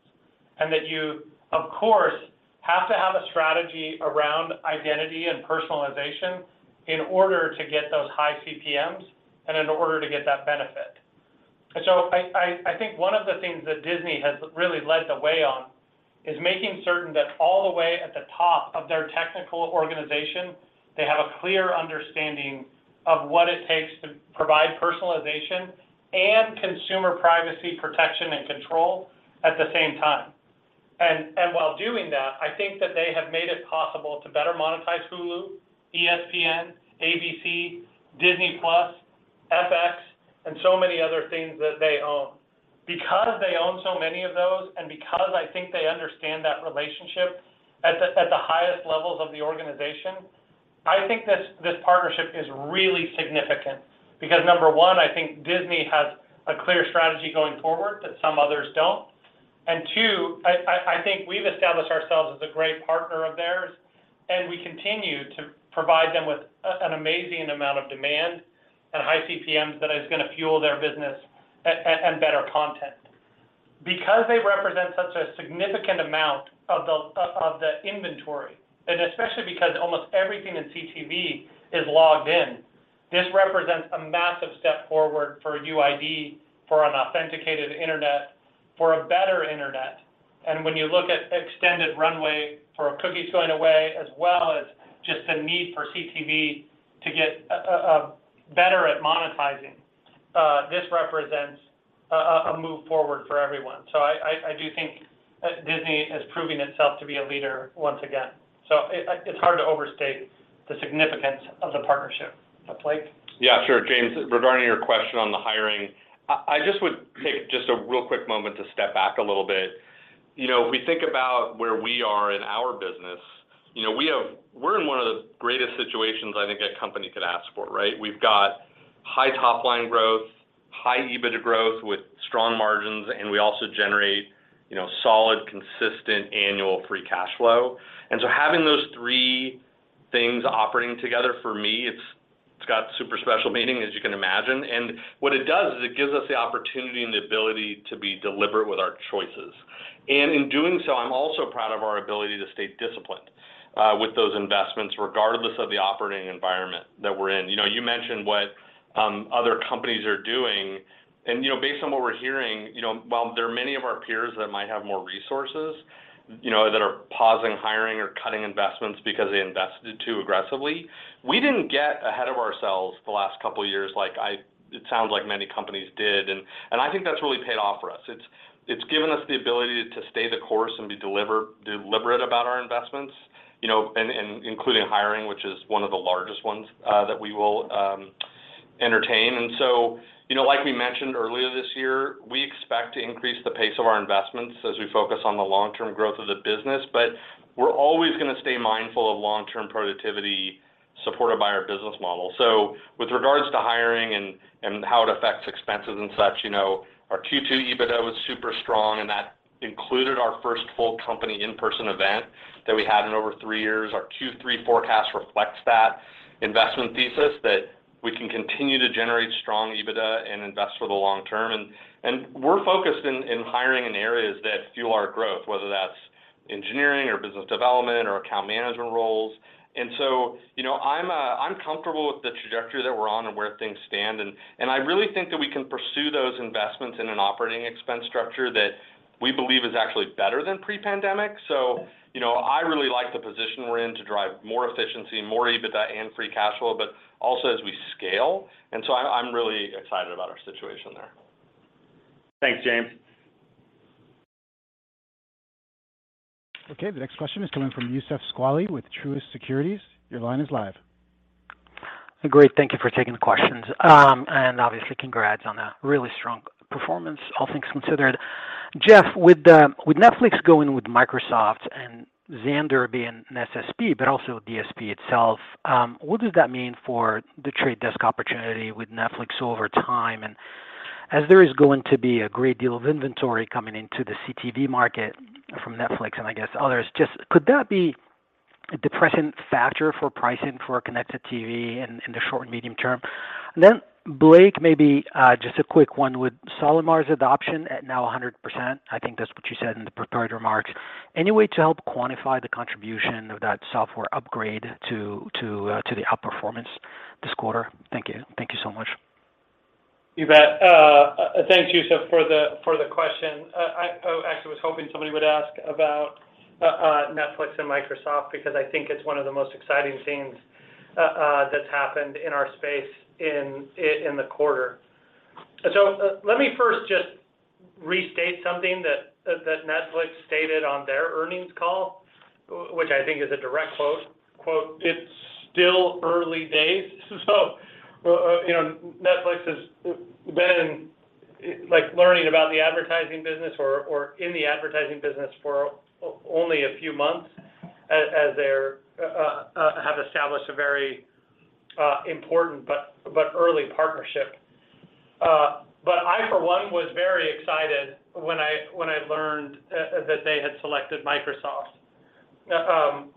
That you, of course, have to have a strategy around identity and personalization in order to get those high CPMs and in order to get that benefit. I think one of the things that Disney has really led the way on is making certain that all the way at the top of their technical organization, they have a clear understanding of what it takes to provide personalization and consumer privacy protection and control at the same time. While doing that, I think that they have made it possible to better monetize Hulu, ESPN, ABC, Disney+, FX, and so many other things that they own. Because they own so many of those, and because I think they understand that relationship at the highest levels of the organization, I think this partnership is really significant. Because number one, I think Disney has a clear strategy going forward that some others don't. Two, I think we've established ourselves as a great partner of theirs, and we continue to provide them with an amazing amount of demand and high CPMs that is gonna fuel their business and better content. Because they represent such a significant amount of the inventory, and especially because almost everything in CTV is logged in, this represents a massive step forward for UID, for an authenticated internet, for a better internet. When you look at extended runway for cookies going away, as well as just the need for CTV to get better at monetizing, this represents a move forward for everyone. I do think Disney is proving itself to be a leader once again. It's hard to overstate the significance of the partnership. Blake? Yeah, sure. James, regarding your question on the hiring, I just would take just a real quick moment to step back a little bit. You know, if we think about where we are in our business, you know, we're in one of the greatest situations I think a company could ask for, right? We've got high top line growth, high EBITDA growth with strong margins, and we also generate, you know, solid, consistent annual free cash flow. Having those three things operating together, for me, it's got super special meaning, as you can imagine. What it does is it gives us the opportunity and the ability to be deliberate with our choices. In doing so, I'm also proud of our ability to stay disciplined with those investments, regardless of the operating environment that we're in. You know, you mentioned what other companies are doing. You know, based on what we're hearing, you know, while there are many of our peers that might have more resources, you know, that are pausing hiring or cutting investments because they invested too aggressively, we didn't get ahead of ourselves the last couple of years. It sounds like many companies did. I think that's really paid off for us. It's given us the ability to stay the course and be deliberate about our investments, you know, including hiring, which is one of the largest ones that we will entertain. You know, like we mentioned earlier this year, we expect to increase the pace of our investments as we focus on the long-term growth of the business. We're always gonna stay mindful of long-term productivity supported by our business model. With regards to hiring and how it affects expenses and such, you know, our Q2 EBITDA was super strong, and that included our first full company in-person event that we had in over three years. Our Q3 forecast reflects that investment thesis that we can continue to generate strong EBITDA and invest for the long term. We're focused on hiring in areas that fuel our growth, whether that's engineering or business development or account management roles. You know, I'm comfortable with the trajectory that we're on and where things stand. I really think that we can pursue those investments in an operating expense structure that we believe is actually better than pre-pandemic. You know, I really like the position we're in to drive more efficiency, more EBITDA and free cash flow, but also as we scale. I'm really excited about our situation there. Thanks, James. Okay, the next question is coming from Youssef Squali with Truist Securities. Your line is live. Great. Thank you for taking the questions. Obviously congrats on a really strong performance, all things considered. Jeff, with Netflix going with Microsoft and Xandr being an SSP, but also a DSP itself, what does that mean for The Trade Desk opportunity with Netflix over time? As there is going to be a great deal of inventory coming into the CTV market from Netflix and I guess others, just could that be a depressing factor for pricing for Connected TV in the short and medium term? Blake, maybe, just a quick one. With Solimar's adoption at now 100%, I think that's what you said in the prepared remarks, any way to help quantify the contribution of that software upgrade to the outperformance this quarter? Thank you. Thank you so much. You bet. Thanks, Youssef, for the question. I actually was hoping somebody would ask about Netflix and Microsoft, because I think it's one of the most exciting things that's happened in our space in the quarter. Let me first just restate something that Netflix stated on their earnings call, which I think is a direct quote. "It's still early days." You know, Netflix has been like learning about the advertising business or in the advertising business for only a few months as they have established a very important but early partnership. I, for one, was very excited when I learned that they had selected Microsoft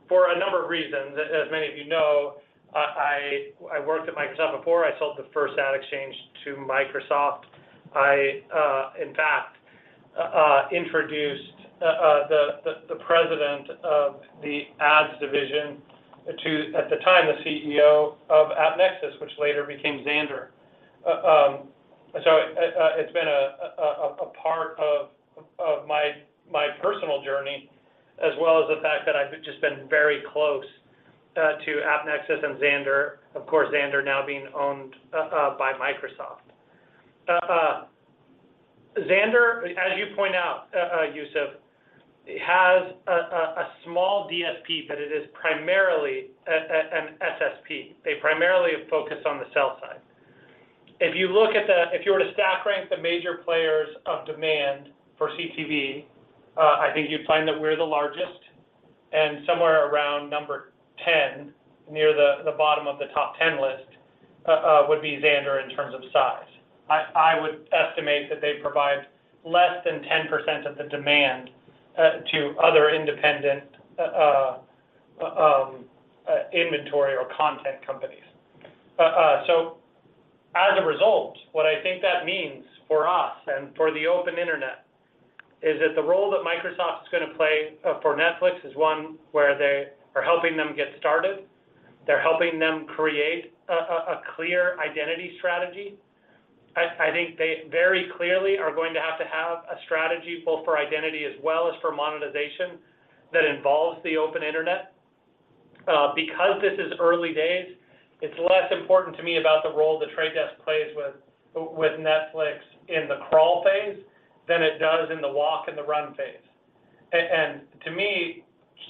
for a number of reasons. As many of you know, I worked at Microsoft before. I sold the first ad exchange to Microsoft. In fact, I introduced the president of the ads division to, at the time, the CEO of AppNexus, which later became Xandr. It's been a part of my personal journey, as well as the fact that I've just been very close to AppNexus and Xandr. Of course, Xandr now being owned by Microsoft. Xandr, as you point out, Youssef, has a small DSP, but it is primarily an SSP. They primarily have focused on the sell side. If you were to stack rank the major players of demand for CTV, I think you'd find that we're the largest and somewhere around number 10, near the bottom of the top 10 list, would be Xandr in terms of size. I would estimate that they provide less than 10% of the demand to other independent inventory or content companies. As a result, what I think that means for us and for the open internet is that the role that Microsoft is gonna play for Netflix is one where they are helping them get started. They're helping them create a clear identity strategy. I think they very clearly are going to have to have a strategy both for identity as well as for monetization that involves the open internet. Because this is early days, it's less important to me about the role The Trade Desk plays with Netflix in the crawl phase than it does in the walk and the run phase. To me,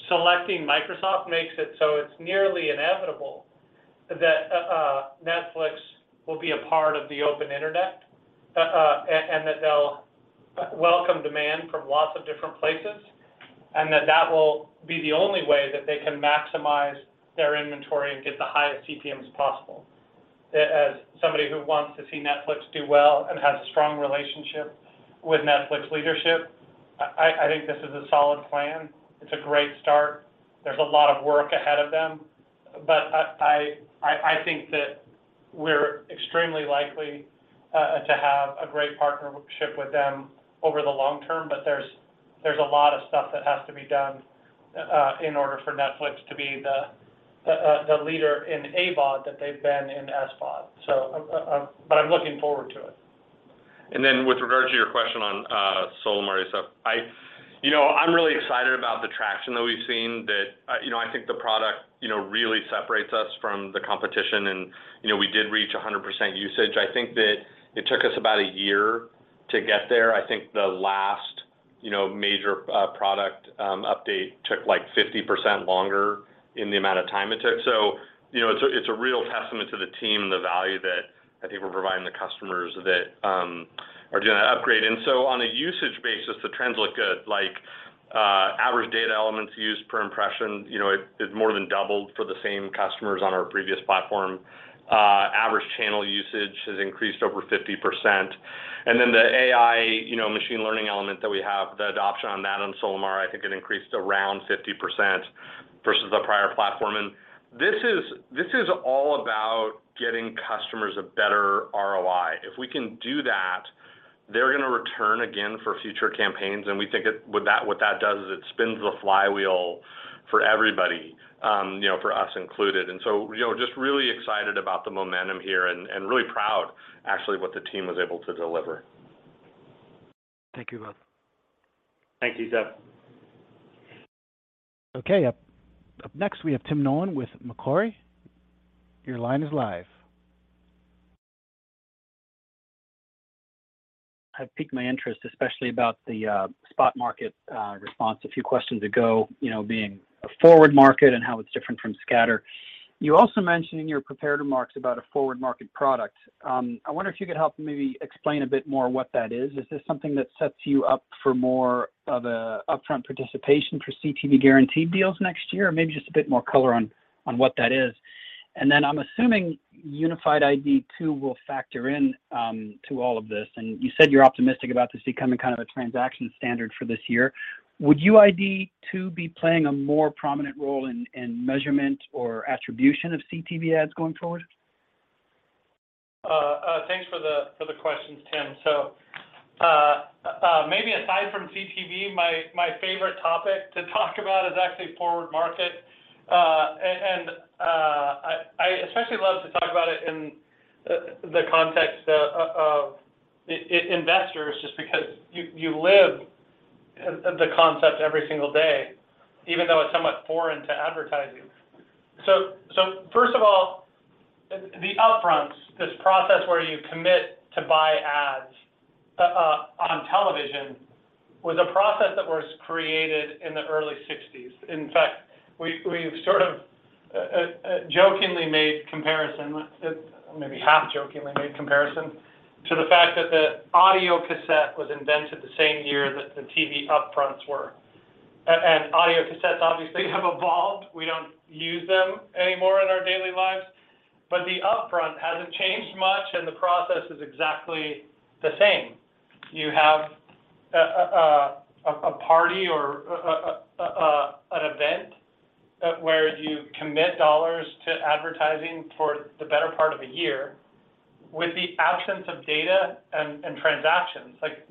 selecting Microsoft makes it so it's nearly inevitable that Netflix will be a part of the open internet, and that they'll welcome demand from lots of different places, and that will be the only way that they can maximize their inventory and get the highest CPMs possible. As somebody who wants to see Netflix do well and has a strong relationship with Netflix leadership, I think this is a solid plan. It's a great start. There's a lot of work ahead of them. I think that we're extremely likely to have a great partnership with them over the long term. There's a lot of stuff that has to be done in order for Netflix to be the leader in AVOD that they've been in SVOD. I'm looking forward to it. With regard to your question on Solimar, Youssef, I, you know, I'm really excited about the traction that we've seen that, you know, I think the product, you know, really separates us from the competition. You know, we did reach 100% usage. I think that it took us about a year to get there. I think the last, you know, major product update took, like, 50% longer in the amount of time it took. You know, it's a real testament to the team, the value that I think we're providing the customers that are doing that upgrade. On a usage basis, the trends look good. Like Average data elements used per impression, you know, it more than doubled for the same customers on our previous platform. Average channel usage has increased over 50%. Then the AI, you know, machine learning element that we have, the adoption on that on Solimar, I think it increased around 50% versus the prior platform. This is all about getting customers a better ROI. If we can do that, they're gonna return again for future campaigns, and we think what that does is it spins the flywheel for everybody, you know, for us included. You know, just really excited about the momentum here and really proud actually what the team was able to deliver. Thank you, Blake. Thank you, Youssef. Okay. Up next we have Tim Nollen with Macquarie. Your line is live. Has piqued my interest, especially about the spot market response a few questions ago, you know, being a forward market and how it's different from scatter. You also mentioned in your prepared remarks about a forward market product. I wonder if you could help maybe explain a bit more what that is. Is this something that sets you up for more of a upfront participation for CTV guaranteed deals next year? Maybe just a bit more color on what that is. I'm assuming Unified ID2 will factor in to all of this. You said you're optimistic about this becoming kind of a transaction standard for this year. Would UID2 be playing a more prominent role in measurement or attribution of CTV ads going forward? Thanks for the questions, Tim. Maybe aside from CTV, my favorite topic to talk about is actually forward market. I especially love to talk about it in the context of investors just because you live the concept every single day, even though it's somewhat foreign to advertising. First of all, the upfronts, this process where you commit to buy ads on television, was a process that was created in the early 1960s. In fact, we've sort of jokingly made comparison, maybe half jokingly, to the fact that the audio cassette was invented the same year that the TV upfronts were. Audio cassettes obviously have evolved. We don't use them anymore in our daily lives. The upfront hasn't changed much, and the process is exactly the same. You have a party or an event where you commit dollars to advertising for the better part of a year with the absence of data and transactions. Like,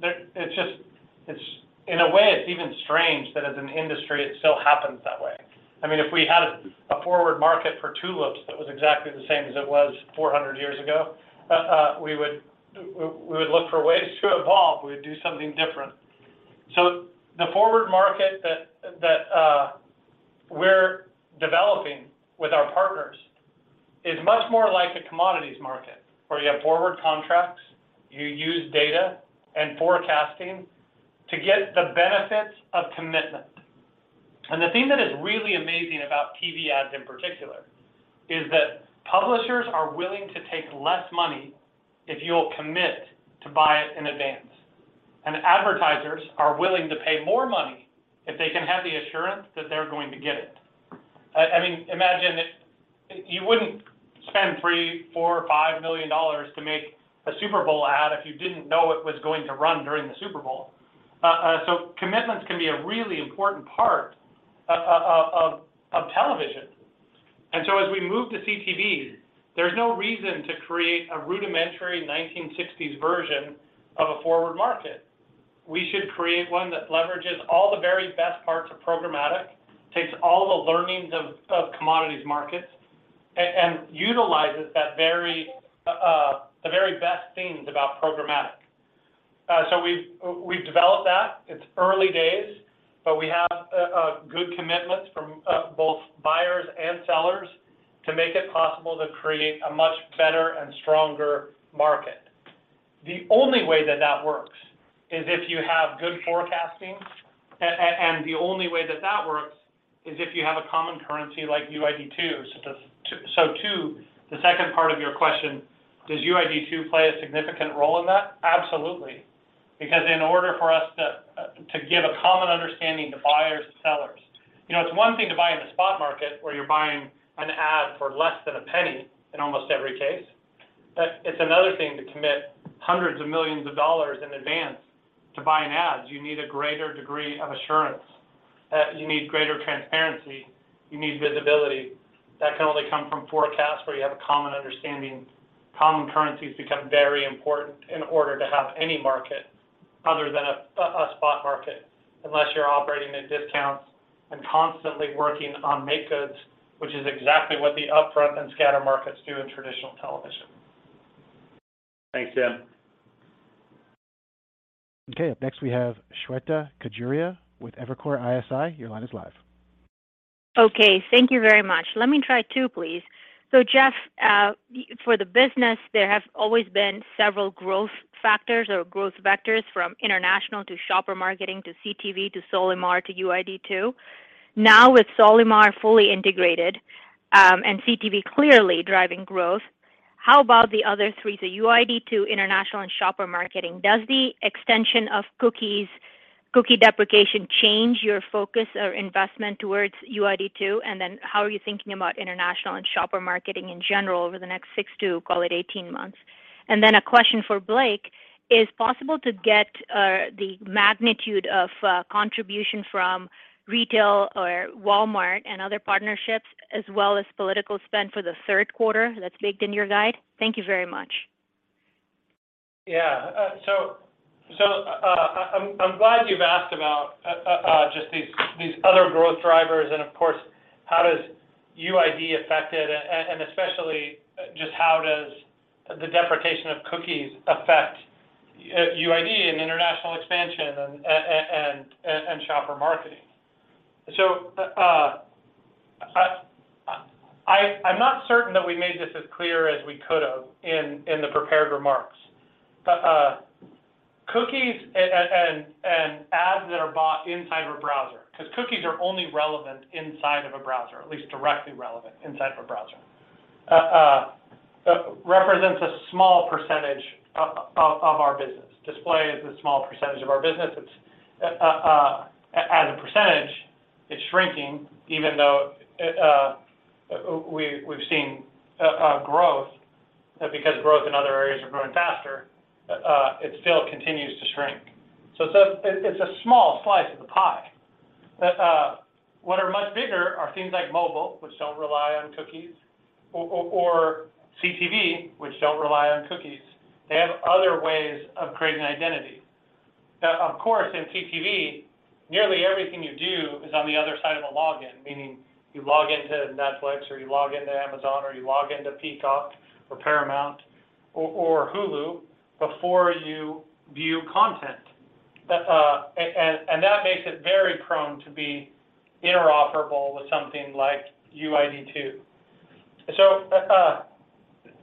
it's even strange that as an industry, it still happens that way. I mean, if we had a forward market for tulips that was exactly the same as it was 400 years ago, we would look for ways to evolve. We would do something different. The forward market that we're developing with our partners is much more like a commodities market where you have forward contracts, you use data and forecasting to get the benefits of commitment. The thing that is really amazing about TV ads in particular is that publishers are willing to take less money if you'll commit to buy it in advance. Advertisers are willing to pay more money if they can have the assurance that they're going to get it. I mean, imagine if you wouldn't spend $3 million-$5 million to make a Super Bowl ad if you didn't know it was going to run during the Super Bowl. Commitments can be a really important part of television. As we move to CTVs, there's no reason to create a rudimentary 1960s version of a forward market. We should create one that leverages all the very best parts of programmatic, takes all the learnings of commodities markets, and utilizes that very, the very best things about programmatic. We've developed that. It's early days, but we have good commitments from both buyers and sellers to make it possible to create a much better and stronger market. The only way that works is if you have good forecasting, and the only way that works is if you have a common currency like UID2. Too, the second part of your question, does UID2 play a significant role in that? Absolutely. Because in order for us to give a common understanding to buyers and sellers, you know, it's one thing to buy in the spot market where you're buying an ad for less than a penny in almost every case. But it's another thing to commit $100 millions in advance to buy an ad. You need a greater degree of assurance. You need greater transparency. You need visibility. That can only come from forecasts where you have a common understanding. Common currencies become very important in order to have any market other than a spot market, unless you're operating in discounts and constantly working on make goods, which is exactly what the upfront and scatter markets do in traditional television. Thanks, Tim. Okay, up next we have Shweta Khajuria with Evercore ISI. Your line is live. Okay, thank you very much. Let me try two, please. Jeff, for the business, there have always been several growth factors or growth vectors from international to shopper marketing to CTV to Solimar to UID2. Now with Solimar fully integrated, and CTV clearly driving growth. How about the other three? UID2, international, and shopper marketing. Does the extension of cookie deprecation change your focus or investment towards UID2? How are you thinking about international and shopper marketing in general over the next six to call it 18 months? A question for Blake. Is it possible to get the magnitude of contribution from retail or Walmart and other partnerships as well as political spend for the third quarter that's baked in your guide? Thank you very much. I'm glad you've asked about just these other growth drivers and of course, how does UID affect it, and especially just how does the deprecation of cookies affect UID and international expansion and shopper marketing. I'm not certain that we made this as clear as we could have in the prepared remarks. cookies and ads that are bought inside of a browser, 'cause cookies are only relevant inside of a browser, at least directly relevant inside of a browser, represents a small percentage of our business. Display is a small percentage of our business. It's as a percentage it's shrinking even though we've seen growth because growth in other areas are growing faster it still continues to shrink. It's a small slice of the pie. What are much bigger are things like mobile, which don't rely on cookies or CTV, which don't rely on cookies. They have other ways of creating identity. Now, of course, in CTV, nearly everything you do is on the other side of a login, meaning you log into Netflix, or you log into Amazon, or you log into Peacock or Paramount or Hulu before you view content. And that makes it very prone to be interoperable with something like UID2.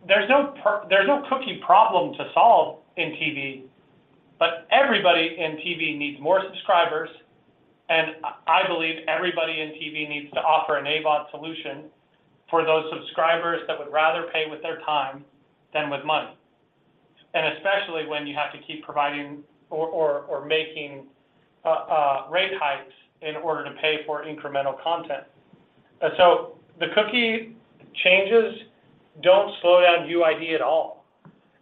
There's no cookie problem to solve in TV, but everybody in TV needs more subscribers, and I believe everybody in TV needs to offer an AVOD solution for those subscribers that would rather pay with their time than with money. Especially when you have to keep providing or making rate hikes in order to pay for incremental content. The cookie changes don't slow down UID at all.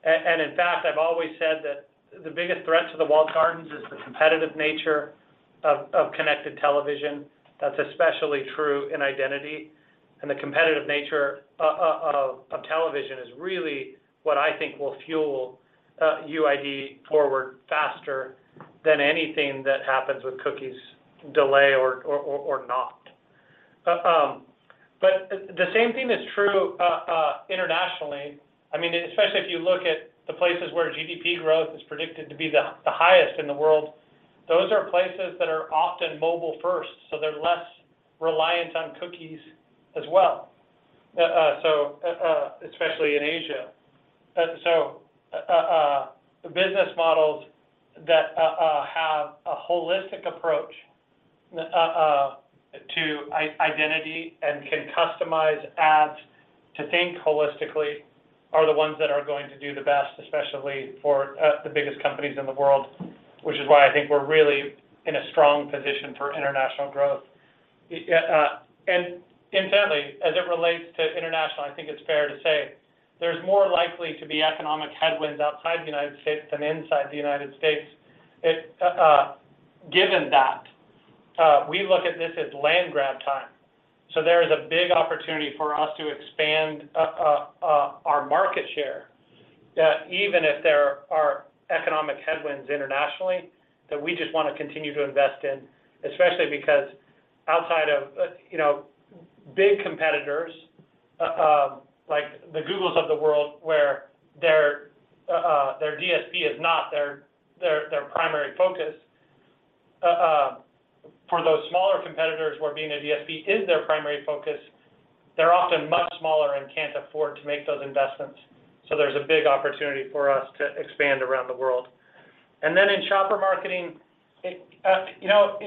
In fact, I've always said that the biggest threat to the walled gardens is the competitive nature of connected television. That's especially true in identity. The competitive nature of television is really what I think will fuel UID forward faster than anything that happens with cookies, delay or not. The same thing is true internationally. I mean, especially if you look at the places where GDP growth is predicted to be the highest in the world, those are places that are often mobile first, so they're less reliant on cookies as well. Especially in Asia. Business models that have a holistic approach to identity and can customize ads and think holistically are the ones that are going to do the best, especially for the biggest companies in the world, which is why I think we're really in a strong position for international growth. Internally, as it relates to international, I think it's fair to say there's more likely to be economic headwinds outside the United States than inside the United States. Given that, we look at this as land grab time. There is a big opportunity for us to expand our market share, even if there are economic headwinds internationally that we just wanna continue to invest in, especially because outside of you know big competitors like the Googles of the world where their DSP is not their primary focus, for those smaller competitors where being a DSP is their primary focus, they're often much smaller and can't afford to make those investments. There's a big opportunity for us to expand around the world. In shopper marketing, you know,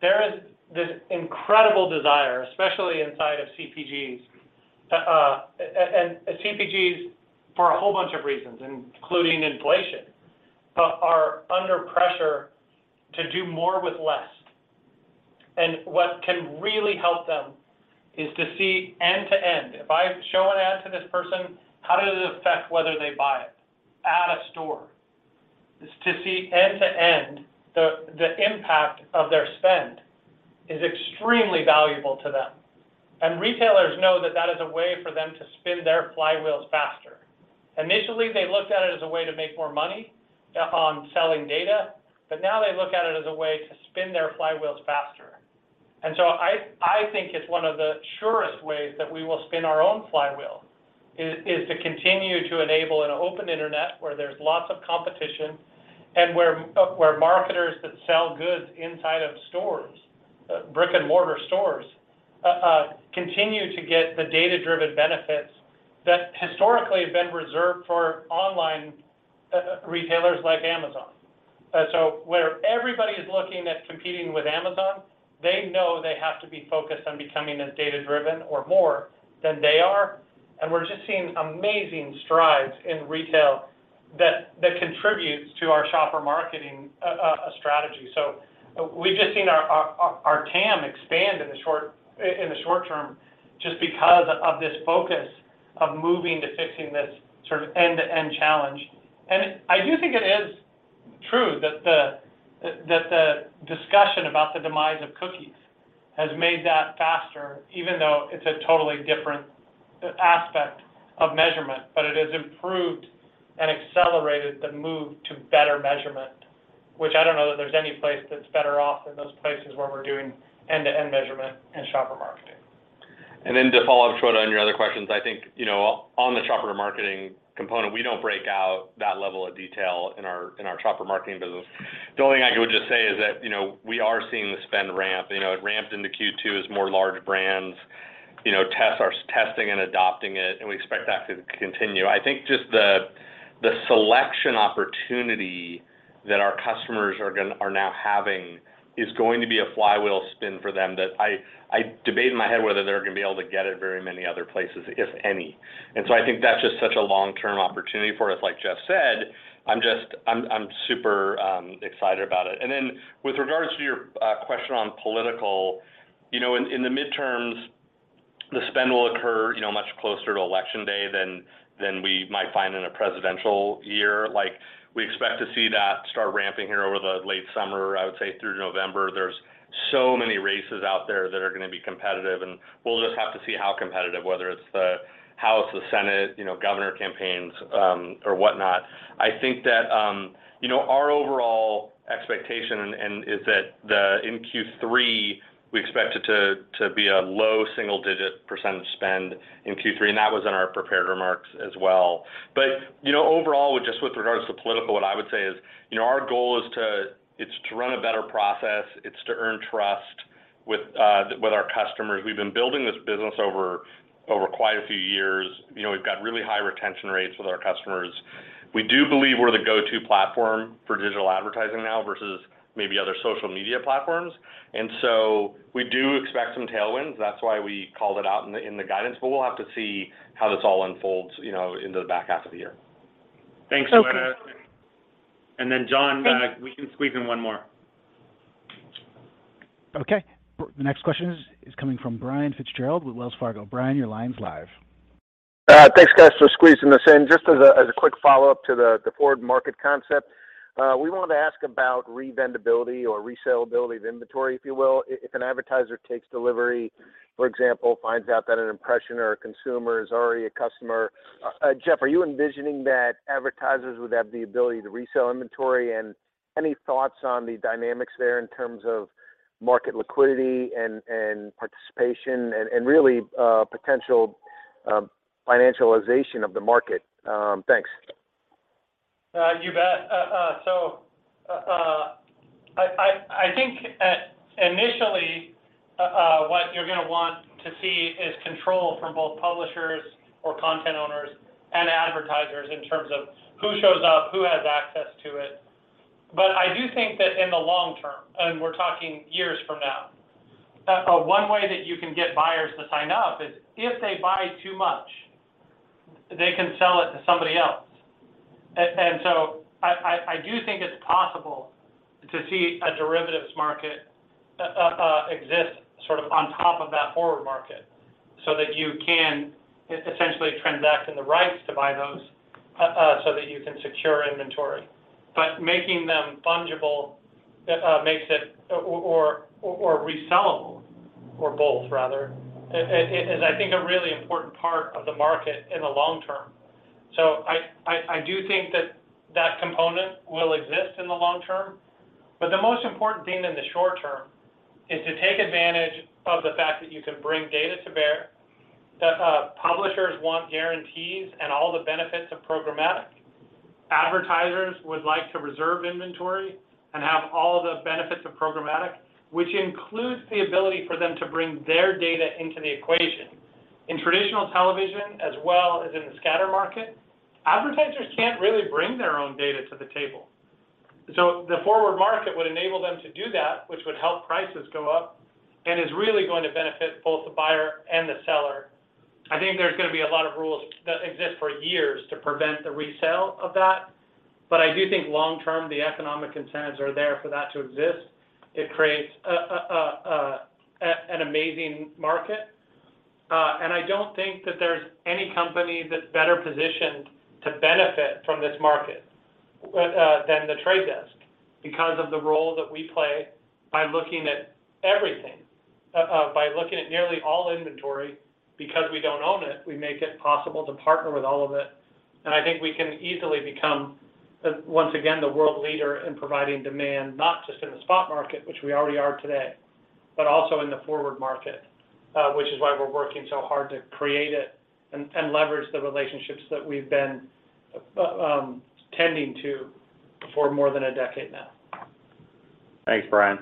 there is this incredible desire, especially inside of CPGs for a whole bunch of reasons, including inflation, are under pressure to do more with less. What can really help them is to see end to end. If I show an ad to this person, how does it affect whether they buy it at a store? To see end to end the impact of their spend is extremely valuable to them. Retailers know that that is a way for them to spin their flywheels faster. Initially, they looked at it as a way to make more money on selling data, but now they look at it as a way to spin their flywheels faster. I think it's one of the surest ways that we will spin our own flywheel is to continue to enable an open internet where there's lots of competition and where marketers that sell goods inside of stores, brick and mortar stores, continue to get the data-driven benefits that historically have been reserved for online retailers like Amazon. Where everybody is looking at competing with Amazon, they know they have to be focused on becoming as data-driven or more than they are. We're just seeing amazing strides in retail that contributes to our shopper marketing strategy. We've just seen our TAM expand in the short term just because of this focus of moving to fixing this sort of end-to-end challenge. I do think it is true that the discussion about the demise of cookies has made that faster, even though it's a totally different aspect of measurement. It has improved and accelerated the move to better measurement, which I don't know that there's any place that's better off than those places where we're doing end-to-end measurement and shopper marketing. To follow up, Shweta, on your other questions, I think, you know, on the shopper marketing component, we don't break out that level of detail in our shopper marketing business. The only thing I would just say is that, you know, we are seeing the spend ramp. You know, it ramped into Q2 as more large brands, you know, testing and adopting it, and we expect that to continue. I think just the selection opportunity that our customers are now having is going to be a flywheel spin for them that I debate in my head whether they're gonna be able to get it very many other places, if any. I think that's just such a long-term opportunity for us. Like Jeff said, I'm super excited about it. With regards to your question on political, you know, in the midterms, the spend will occur, you know, much closer to election day than we might find in a presidential year. Like, we expect to see that start ramping here over the late summer, I would say through November. There's so many races out there that are gonna be competitive, and we'll just have to see how competitive, whether it's the House, the Senate, you know, governor campaigns, or whatnot. I think that, you know, our overall expectation and is that in Q3, we expect it to be a low single-digit percent spend in Q3, and that was in our prepared remarks as well. You know, overall, with regards to political, what I would say is, you know, our goal is to run a better process. It's to earn trust with our customers. We've been building this business over quite a few years. You know, we've got really high retention rates with our customers. We do believe we're the go-to platform for digital advertising now versus maybe other social media platforms. We do expect some tailwinds. That's why we called it out in the guidance, but we'll have to see how this all unfolds, you know, into the back half of the year. Thanks, Shweta. So- John Thank you. We can squeeze in one more. Okay. The next question is coming from Brian Fitzgerald with Wells Fargo. Brian, your line's live. Thanks, guys, for squeezing this in. Just as a quick follow-up to the forward market concept, we wanted to ask about revendibility or resaleability of inventory, if you will. If an advertiser takes delivery, for example, finds out that an impression or a consumer is already a customer, Jeff, are you envisioning that advertisers would have the ability to resell inventory? Any thoughts on the dynamics there in terms of market liquidity and participation and really potential financialization of the market? Thanks. You bet. I think initially, what you're gonna want to see is control from both publishers or content owners and advertisers in terms of who shows up, who has access to it. I do think that in the long term, and we're talking years from now, one way that you can get buyers to sign up is if they buy too much, they can sell it to somebody else. I do think it's possible to see a derivatives market exist sort of on top of that forward market so that you can essentially transact in the rights to buy those, so that you can secure inventory. Making them fungible or resellable or both rather is I think a really important part of the market in the long term. I do think that component will exist in the long term, but the most important thing in the short term is to take advantage of the fact that you can bring data to bear, that publishers want guarantees and all the benefits of programmatic. Advertisers would like to reserve inventory and have all the benefits of programmatic, which includes the ability for them to bring their data into the equation. In traditional television, as well as in the scatter market, advertisers can't really bring their own data to the table. The forward market would enable them to do that, which would help prices go up and is really going to benefit both the buyer and the seller. I think there's gonna be a lot of rules that exist for years to prevent the resale of that. I do think long term, the economic incentives are there for that to exist. It creates an amazing market. I don't think that there's any company that's better positioned to benefit from this market than The Trade Desk because of the role that we play by looking at everything. By looking at nearly all inventory, because we don't own it, we make it possible to partner with all of it. I think we can easily become the, once again, the world leader in providing demand, not just in the spot market, which we already are today, but also in the forward market, which is why we're working so hard to create it and leverage the relationships that we've been tending to for more than a decade now. Thanks, Brian.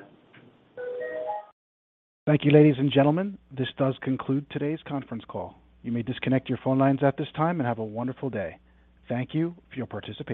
Thank you, ladies and gentlemen. This does conclude today's conference call. You may disconnect your phone lines at this time and have a wonderful day. Thank you for your participation.